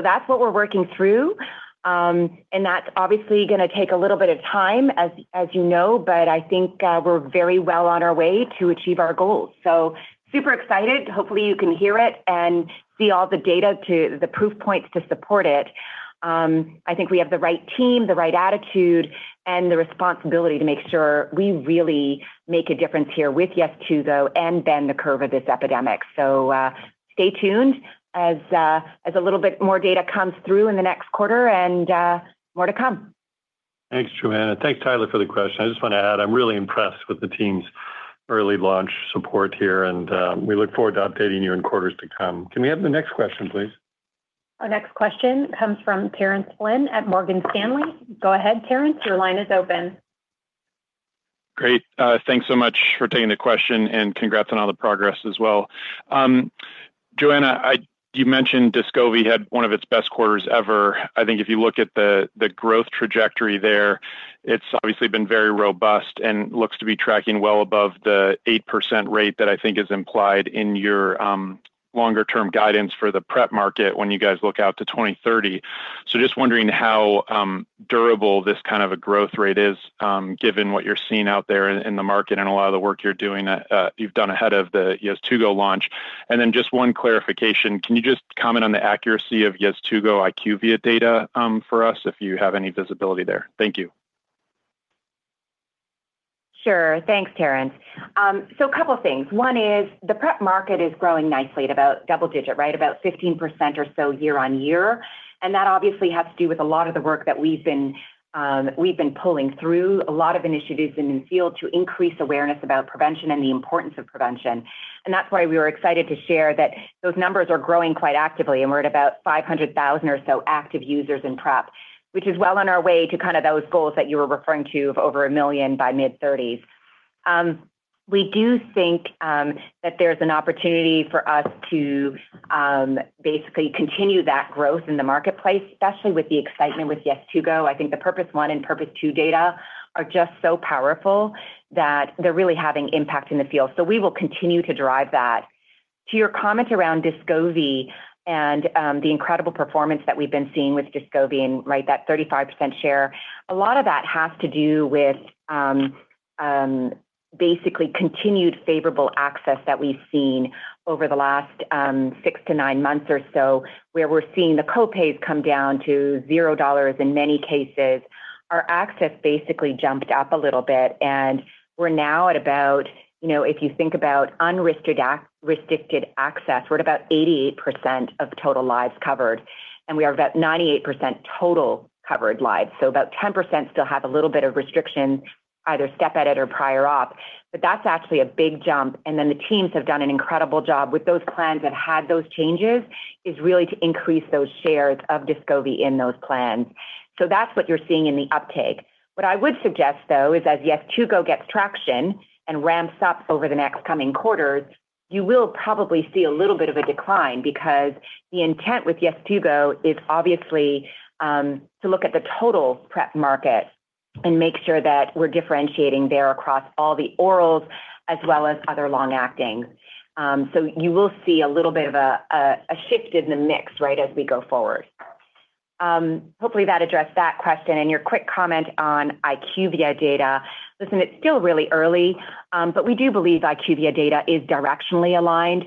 That's what we're working through, and that's obviously going to take a little bit of time, as you know, but I think we're very well on our way to achieve our goals. Super excited. Hopefully, you can hear it and see all the data to the proof points to support it. I think we have the right team, the right attitude, and the responsibility to make sure we really make a difference here with YEZTUGO and bend the curve of this epidemic. Stay tuned as a little bit more data comes through in the next quarter and more to come. Thanks, Johanna. Thanks, Tyler, for the question. I just want to add, I'm really impressed with the team's early launch support here, and we look forward to updating you in quarters to come. Can we have the next question, please? Our next question comes from Terence Flynn at Morgan Stanley. Go ahead, Terrence. Your line is open. Great. Thanks so much for taking the question and congrats on all the progress as well. Johanna, you mentioned DESCOVY had one of its best quarters ever. I think if you look at the growth trajectory there, it's obviously been very robust and looks to be tracking well above the 8% rate that I think is implied in your longer-term guidance for the PrEP market when you guys look out to 2030. Just wondering how durable this kind of a growth rate is, given what you're seeing out there in the market and a lot of the work you're doing that you've done ahead of the YEZTUGO launch. One clarification. Can you just comment on the accuracy of YEZTUGO IQVIA data for us if you have any visibility there? Thank you. Sure. Thanks, Terrence. A couple of things. One is the PrEP market is growing nicely at about double digit, right? About 15% or so year-on-year, and that obviously has to do with a lot of the work that we've been pulling through, a lot of initiatives in the field to increase awareness about prevention and the importance of prevention. That's why we were excited to share that those numbers are growing quite actively, and we're at about 500,000 or so active users in PrEP, which is well on our way to kind of those goals that you were referring to of over a million by mid-2030s. We do think that there's an opportunity for us to basically continue that growth in the marketplace, especially with the excitement with YEZTUGO. I think the PURPOSE 1 and PURPOSE-2 data are just so powerful that they're really having impact in the field. We will continue to drive that. To your comment around DESCOVY and the incredible performance that we've been seeing with DESCOVY and right that 35% share, a lot of that has to do with basically continued favorable access that we've seen over the last six to nine months or so, where we're seeing the copays come down to $0 in many cases. Our access basically jumped up a little bit, and we're now at about, you know, if you think about unrestricted access, we're at about 88% of total lives covered, and we are about 98% total covered lives. About 10% still have a little bit of restriction, either step edit or prior op, but that's actually a big jump. The teams have done an incredible job with those plans that have had those changes, really to increase those shares of DESCOVY in those plans. That's what you're seeing in the uptake. What I would suggest, though, is as YEZTUGO gets traction and ramps up over the next coming quarters, you will probably see a little bit of a decline because the intent with YEZTUGO is obviously to look at the total PrEP market and make sure that we're differentiating there across all the orals as well as other long-actings. You will see a little bit of a shift in the mix, right, as we go forward. Hopefully, that addressed that question. Your quick comment on IQVIA data, listen, it's still really early, but we do believe IQVIA data is directionally aligned.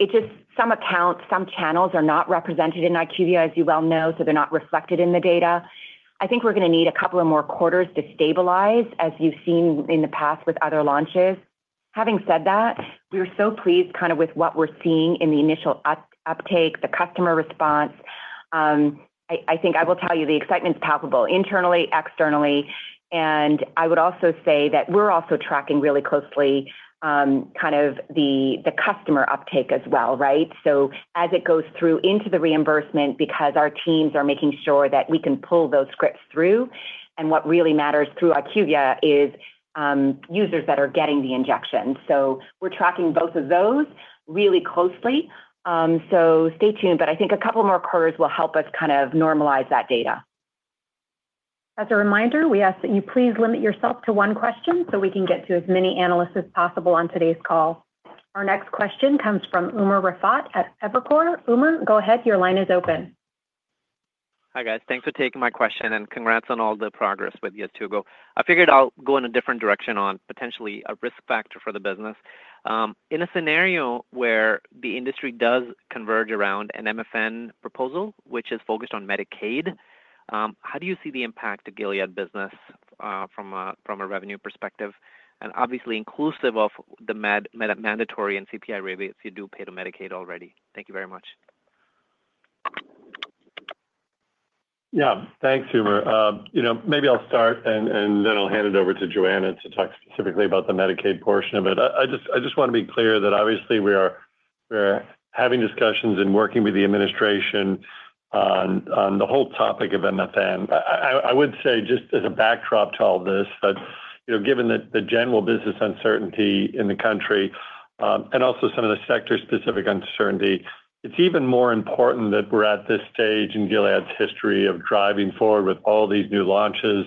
It's just some accounts, some channels are not represented in IQVIA, as you well know, so they're not reflected in the data. I think we're going to need a couple of more quarters to stabilize, as you've seen in the past with other launches. Having said that, we were so pleased with what we're seeing in the initial uptake, the customer response. I think I will tell you the excitement's palpable internally, externally, and I would also say that we're also tracking really closely the customer uptake as well, right? It goes through into the reimbursement, because our teams are making sure that we can pull those scripts through, and what really matters through IQVIA is users that are getting the injections. We're tracking both of those really closely. Stay tuned, but I think a couple more quarters will help us normalize that data. As a reminder, we ask that you please limit yourself to one question so we can get to as many analysts as possible on today's call. Our next question comes from Umer Raffat at Evercore. Umer, go ahead. Your line is open. Hi guys. Thanks for taking my question and congrats on all the progress with YEZTUGO. I figured I'll go in a different direction on potentially a risk factor for the business. In a scenario where the industry does converge around an MFN proposal, which is focused on Medicaid, how do you see the impact to Gilead Sciences business from a revenue perspective? Obviously, inclusive of the mandatory and CPI rebates, you do pay to Medicaid already. Thank you very much. Yeah, thanks, Umar. Maybe I'll start and then I'll hand it over to Johanna to talk specifically about the Medicaid portion of it. I just want to be clear that obviously we are having discussions and working with the administration on the whole topic of MFN. I would say just as a backdrop to all this, given the general business uncertainty in the country and also some of the sector-specific uncertainty, it's even more important that we're at this stage in Gilead Sciences' history of driving forward with all these new launches,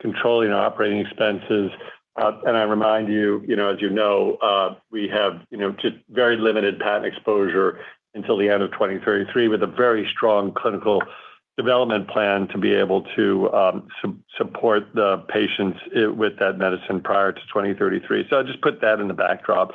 controlling our operating expenses. I remind you, as you know, we have just very limited patent exposure until the end of 2033, with a very strong clinical development plan to be able to support the patients with that medicine prior to 2033. I'll just put that in the backdrop.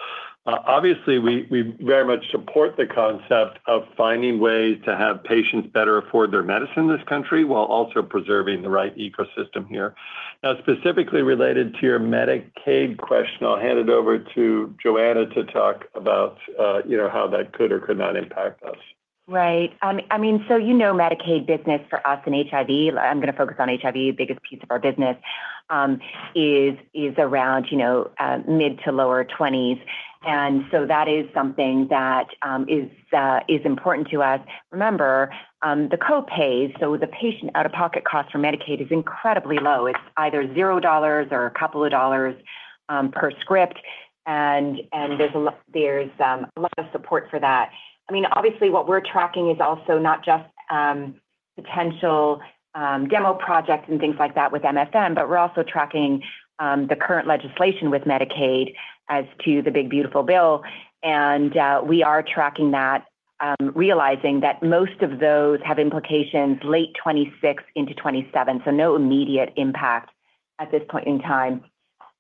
Obviously, we very much support the concept of finding ways to have patients better afford their medicine in this country while also preserving the right ecosystem here. Now, specifically related to your Medicaid question, I'll hand it over to Johanna to talk about how that could or could not impact us. Right. I mean, you know, Medicaid business for us in HIV. I'm going to focus on HIV. The biggest piece of our business is around mid to lower 20s, and that is something that is important to us. Remember, the copays, so the patient out-of-pocket cost for Medicaid is incredibly low. It's either $0 or a couple of dollars per script, and there's a lot of support for that. Obviously, what we're tracking is also not just potential demo projects and things like that with MFN, but we're also tracking the current legislation with Medicaid as to the big beautiful bill. We are tracking that, realizing that most of those have implications late 2026 into 2027, so no immediate impact at this point in time.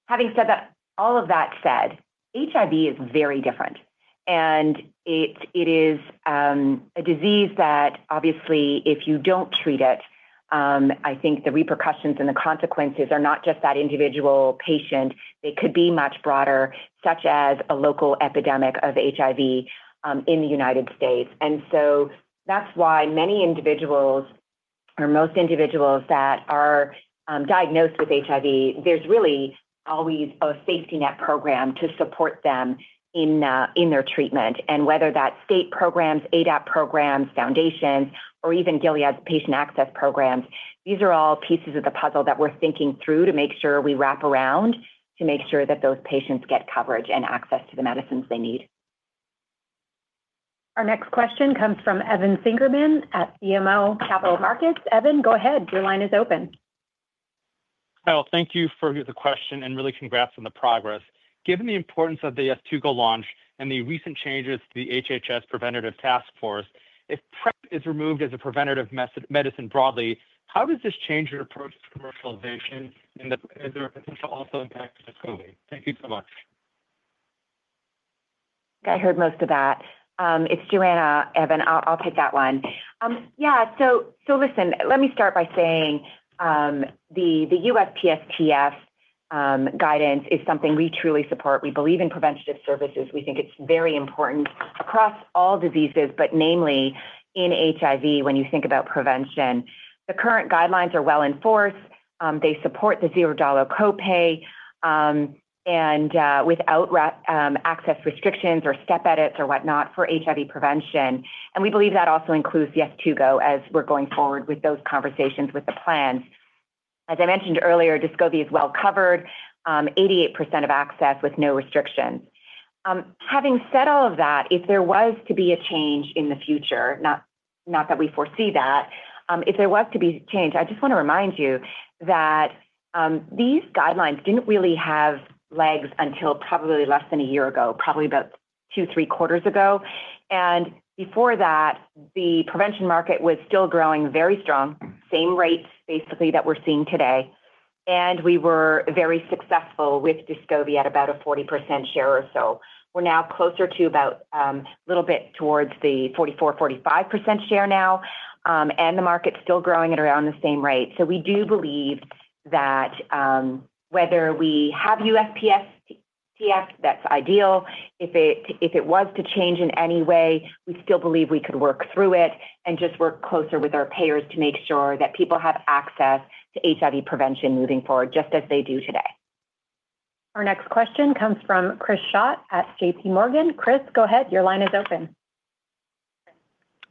Having said that, all of that said, HIV is very different, and it is a disease that obviously, if you don't treat it, I think the repercussions and the consequences are not just that individual patient. They could be much broader, such as a local epidemic of HIV in the U.S. That's why many individuals, or most individuals that are diagnosed with HIV, there's really always a safety net program to support them in their treatment. Whether that's state programs, ADAP programs, foundations, or even Gilead Sciences' patient access programs, these are all pieces of the puzzle that we're thinking through to make sure we wrap around to make sure that those patients get coverage and access to the medicines they need. Our next question comes from Evan Seigerman at BMO Capital Markets. Evan, go ahead. Your line is open. Thank you for the question and really congrats on the progress. Given the importance of the YEZTUGO launch and the recent changes to the HHS preventative task force, if PrEP is removed as a preventative medicine broadly, how does this change your approach to commercialization, and is there a potential also impact to DESCOVY? Thank you so much. I think I heard most of that. It's Johanna. Evan, I'll take that one. Yeah, so listen, let me start by saying the USPSTF guidance is something we truly support. We believe in preventative services. We think it's very important across all diseases, but namely in HIV when you think about prevention. The current guidelines are well enforced. They support the $0 copay, and without access restrictions or step edits or whatnot for HIV prevention. We believe that also includes YEZTUGO as we're going forward with those conversations with the plans. As I mentioned earlier, DESCOVY is well covered, 88% of access with no restrictions. Having said all of that, if there was to be a change in the future, not that we foresee that, if there was to be a change, I just want to remind you that these guidelines didn't really have legs until probably less than a year ago, probably about two, three quarters ago. Before that, the prevention market was still growing very strong, same rates basically that we're seeing today, and we were very successful with DESCOVY at about a 40% share or so. We're now closer to about a little bit towards the 44%, 45% share now, and the market's still growing at around the same rate. We do believe that whether we have USPSTF, that's ideal. If it was to change in any way, we still believe we could work through it and just work closer with our payers to make sure that people have access to HIV prevention moving forward, just as they do today. Our next question comes from Chris Schott at JPMorgan. Chris, go ahead. Your line is open.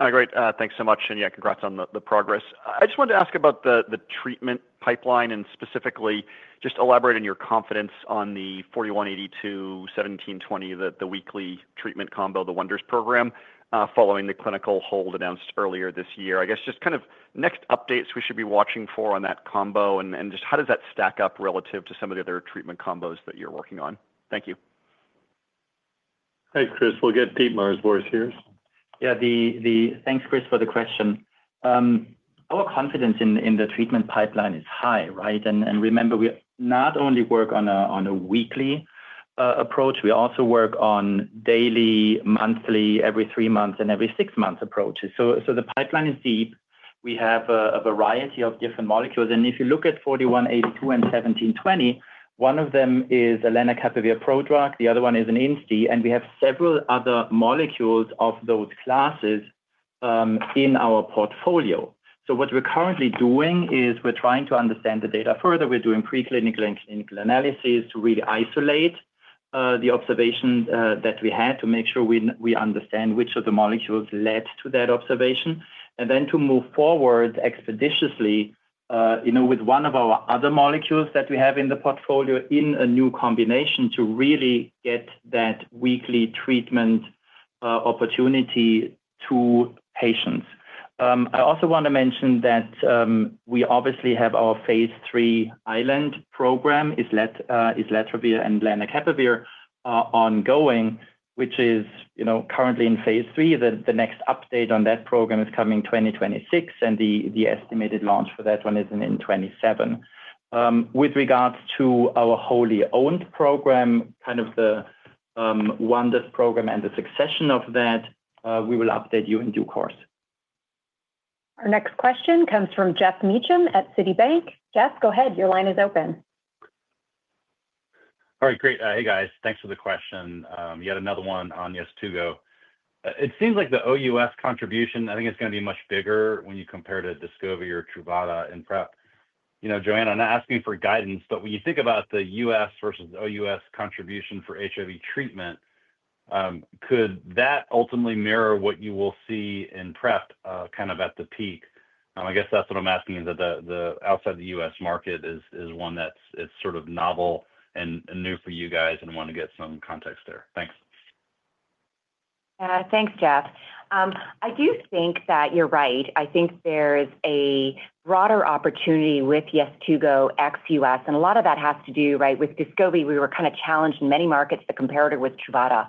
Great. Thanks so much. Congrats on the progress. I just wanted to ask about the treatment pipeline and specifically just elaborate on your confidence on the 4182-1720, the weekly treatment combo, the Wonders program, following the clinical hold announced earlier this year. I guess just kind of next updates we should be watching for on that combo and just how does that stack up relative to some of the other treatment combos that you're working on? Thank you. Hey, Chris. We'll get Dietmar's voice here. Yeah, thanks, Chris, for the question. Our confidence in the treatment pipeline is high, right? Remember, we not only work on a weekly approach, we also work on daily, monthly, every three months, and every six months approaches. The pipeline is deep. We have a variety of different molecules, and if you look at 4182 and 1720, one of them is a lenacapavir prodrug, the other one is an INCI, and we have several other molecules of those classes in our portfolio. What we're currently doing is we're trying to understand the data further. We're doing preclinical and clinical analyses to really isolate the observation that we had to make sure we understand which of the molecules led to that observation, and then to move forward expeditiously with one of our other molecules that we have in the portfolio in a new combination to really get that weekly treatment opportunity to patients. I also want to mention that we obviously have our phase III Island program. It's letrobir and lenacapavir ongoing, which is currently in phase III. The next update on that program is coming 2026, and the estimated launch for that one is in 2027. With regards to our wholly owned program, kind of the Wonders program and the succession of that, we will update you in due course. Our next question comes from Jeff Meacham at Citibank. Jeff, go ahead. Your line is open. All right, great. Hey guys, thanks for the question. Yet another one on YEZTUGO. It seems like the OUS contribution, I think it's going to be much bigger when you compare to DESCOVY or Truvada in PrEP. Johanna, I'm not asking for guidance, but when you think about the U.S. versus OUS contribution for HIV treatment, could that ultimately mirror what you will see in PrEP kind of at the peak? I guess that's what I'm asking, is that the outside the U.S. market is one that's sort of novel and new for you guys and want to get some context there. Thanks. Thanks, Jeff. I do think that you're right. I think there's a broader opportunity with YEZTUGO ex-U.S., and a lot of that has to do, right, with DESCOVY. We were kind of challenged in many markets to compare it with Truvada,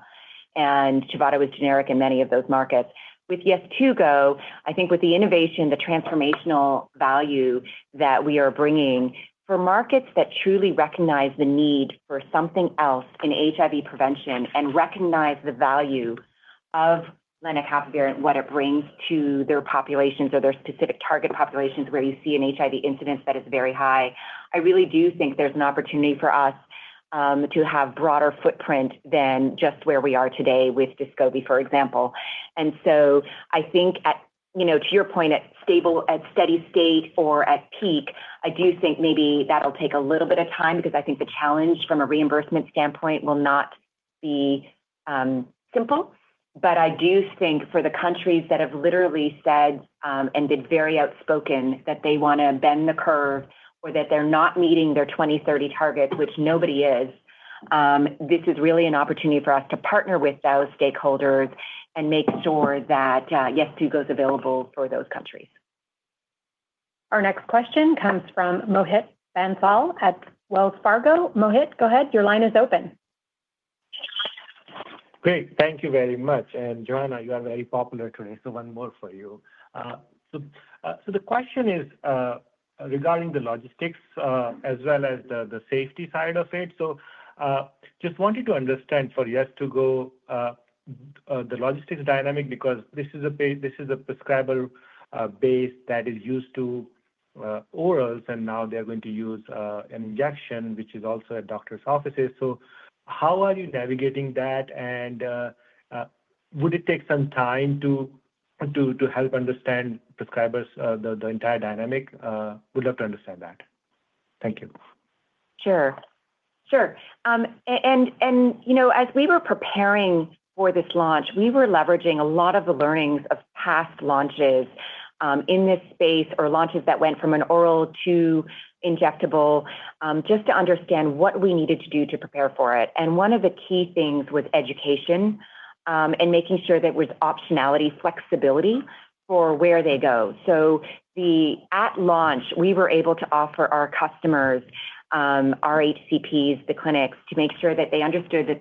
and Truvada was generic in many of those markets. With YEZTUGO, I think with the innovation, the transformational value that we are bringing for markets that truly recognize the need for something else in HIV prevention and recognize the value of lenacapavir and what it brings to their populations or their specific target populations where you see an HIV incidence that is very high, I really do think there's an opportunity for us to have broader footprint than just where we are today with DESCOVY, for example. I think, to your point, at stable at steady state or at peak, I do think maybe that'll take a little bit of time because I think the challenge from a reimbursement standpoint will not be simple. I do think for the countries that have literally said and been very outspoken that they want to bend the curve or that they're not meeting their 2030 targets, which nobody is, this is really an opportunity for us to partner with those stakeholders and make sure that YEZTUGO is available for those countries. Our next question comes from Mohit Bansal at Wells Fargo. Mohit, go ahead. Your line is open. Great. Thank you very much. Johanna, you are very popular today, so one more for you. The question is regarding the logistics as well as the safety side of it. I just wanted to understand for YEZTUGO the logistics dynamic because this is a prescriber base that is used to orals, and now they're going to use an injection, which is also at doctors' offices. How are you navigating that? Would it take some time to help understand the scriber's, the entire dynamic? Would love to understand that. Thank you. Sure, as we were preparing for this launch, we were leveraging a lot of the learnings of past launches in this space or launches that went from an oral to injectable, just to understand what we needed to do to prepare for it. One of the key things was education and making sure that it was optionality, flexibility for where they go. At launch, we were able to offer our customers, our HCPs, the clinics, to make sure that they understood that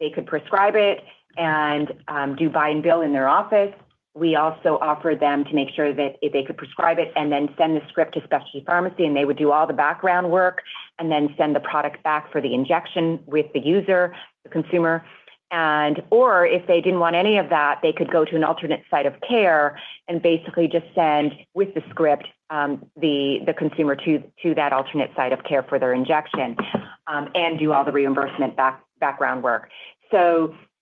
they could prescribe it and do buy and bill in their office. We also offered them to make sure that if they could prescribe it and then send the script to specialty pharmacy, they would do all the background work and then send the product back for the injection with the user, the consumer. If they did not want any of that, they could go to an alternate site of care and basically just send with the script, the consumer to that alternate site of care for their injection and do all the reimbursement background work.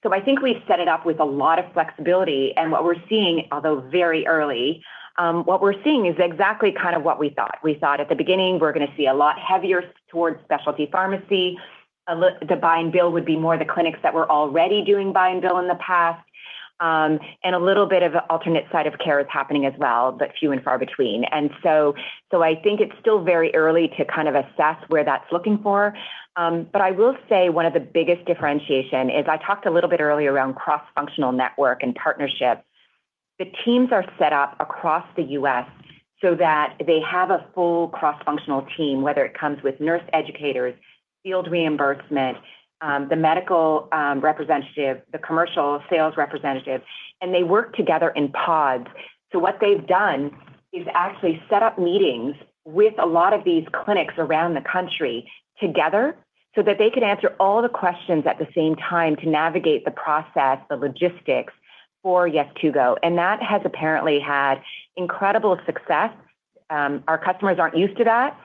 I think we've set it up with a lot of flexibility. What we're seeing, although very early, is exactly kind of what we thought. We thought at the beginning we were going to see a lot heavier towards specialty pharmacy. The buy and bill would be more the clinics that were already doing buy and bill in the past, and a little bit of an alternate site of care is happening as well, but few and far between. I think it's still very early to kind of assess where that's looking for. I will say one of the biggest differentiations is I talked a little bit earlier around cross-functional network and partnership. The teams are set up across the U.S. so that they have a full cross-functional team, whether it comes with nurse educators, field reimbursement, the medical representative, the commercial sales representative, and they work together in pods. What they've done is actually set up meetings with a lot of these clinics around the country together so that they can answer all the questions at the same time to navigate the process, the logistics for YEZTUGO. That has apparently had incredible success. Our customers aren't used to that,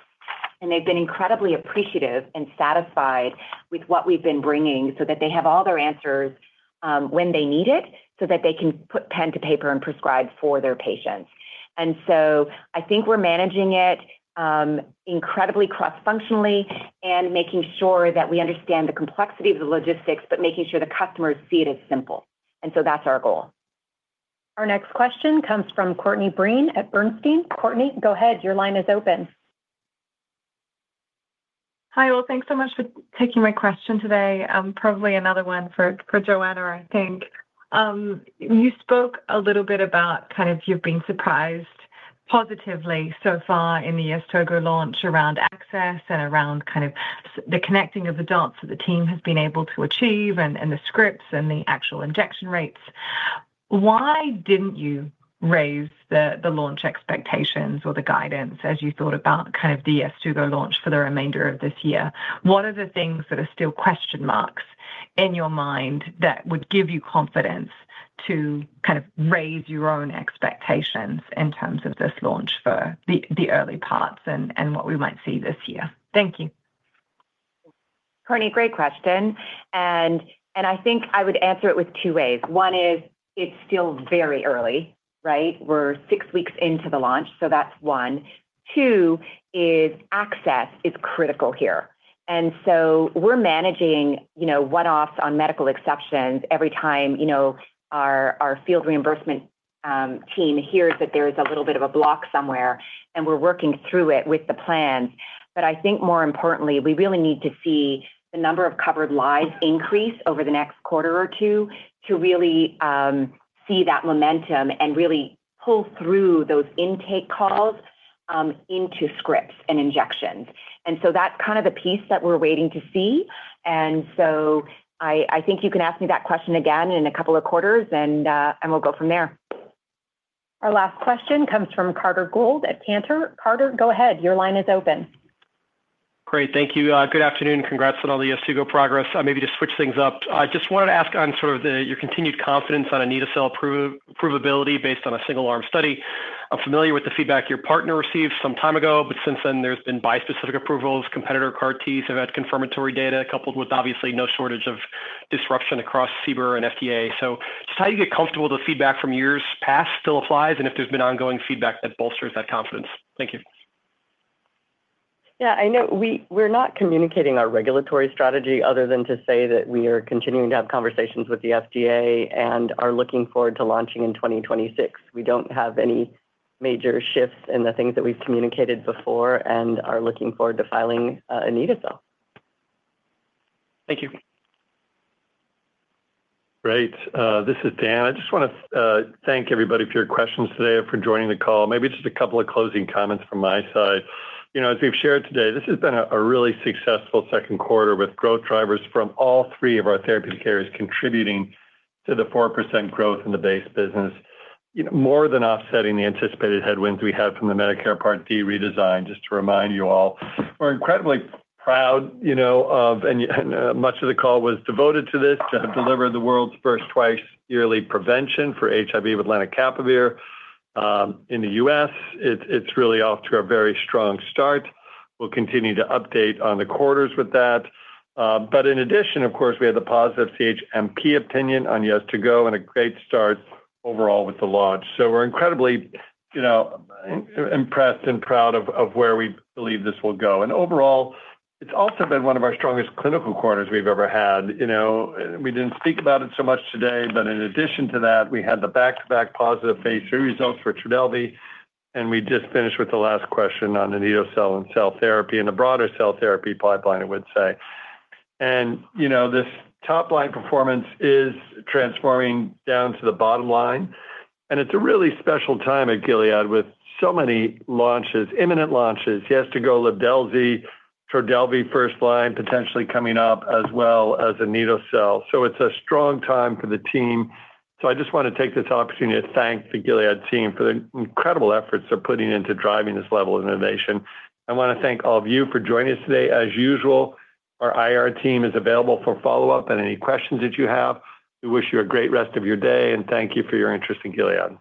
and they've been incredibly appreciative and satisfied with what we've been bringing so that they have all their answers when they need it so that they can put pen to paper and prescribe for their patients. I think we're managing it incredibly cross-functionally and making sure that we understand the complexity of the logistics, but making sure the customers see it as simple. That's our goal. Our next question comes from Courtney Breen at Bernstein. Courtney, go ahead. Your line is open. Hi. Thanks so much for taking my question today. Probably another one for Johanna, I think. You spoke a little bit about kind of you've been surprised positively so far in the YEZTUGO launch around access and around kind of the connecting of the dots that the team has been able to achieve and the scripts and the actual injection rates. Why didn't you raise the launch expectations or the guidance as you thought about kind of the YEZTUGO launch for the remainder of this year? What are the things that are still question marks in your mind that would give you confidence to kind of raise your own expectations in terms of this launch for the early parts and what we might see this year? Thank you. Courtney, great question. I think I would answer it with two ways. One is it's still very early, right? We're six weeks into the launch. That's one. Two is access is critical here. We're managing one-offs on medical exceptions every time our field reimbursement team hears that there is a little bit of a block somewhere, and we're working through it with the plans. I think more importantly, we really need to see the number of covered lives increase over the next quarter or two to really see that momentum and really pull through those intake calls into scripts and injections. That's kind of the piece that we're waiting to see. I think you can ask me that question again in a couple of quarters, and we'll go from there. Our last question comes from Carter Gould at Cantor, go ahead. Your line is open. Great. Thank you. Good afternoon. Congrats on all the YEZTUGO progress. Maybe to switch things up, I just wanted to ask on sort of your continued confidence on Anita's cell provability based on a single-arm study. I'm familiar with the feedback your partner received some time ago, but since then, there's been bi-specific approvals. Competitor CAR T's have had confirmatory data coupled with obviously no shortage of disruption across CHMP and FDA. Just how do you get comfortable that feedback from years past still applies and if there's been ongoing feedback that bolsters that confidence? Thank you. Yeah, I know we're not communicating our regulatory strategy other than to say that we are continuing to have conversations with the FDA and are looking forward to launching in 2026. We don't have any major shifts in the things that we've communicated before and are looking forward to filing in the cell. Thank you. Great. This is Dan. I just want to thank everybody for your questions today and for joining the call. Maybe just a couple of closing comments from my side. As we've shared today, this has been a really successful second quarter with growth drivers from all three of our therapy carriers contributing to the 4% growth in the base business, more than offsetting the anticipated headwinds we had from the Medicare Part D redesign. Just to remind you all, we're incredibly proud, and much of the call was devoted to this, to have delivered the world's first twice-yearly prevention for HIV with lenacapavir in the U.S. It's really off to a very strong start. We'll continue to update on the quarters with that. In addition, of course, we had the positive CHMP opinion on YEZTUGO and a great start overall with the launch. We're incredibly impressed and proud of where we believe this will go. Overall, it's also been one of our strongest clinical quarters we've ever had. We didn't speak about it so much today, but in addition to that, we had the back-to-back positive phase III results for TRODELVY, and we just finished with the last question on cell therapy and the broader cell therapy pipeline, I would say. This top-line performance is transforming down to the bottom line. It's a really special time at Gilead with so many launches, imminent launches, YEZTUGO, TRODELVY first line potentially coming up as well as cell therapy. It's a strong time for the team. I just want to take this opportunity to thank the Gilead Sciences team for the incredible efforts they're putting into driving this level of innovation. I want to thank all of you for joining us today. As usual, our IR team is available for follow-up and any questions that you have. We wish you a great rest of your day and thank you for your interest in Gilead Sciences.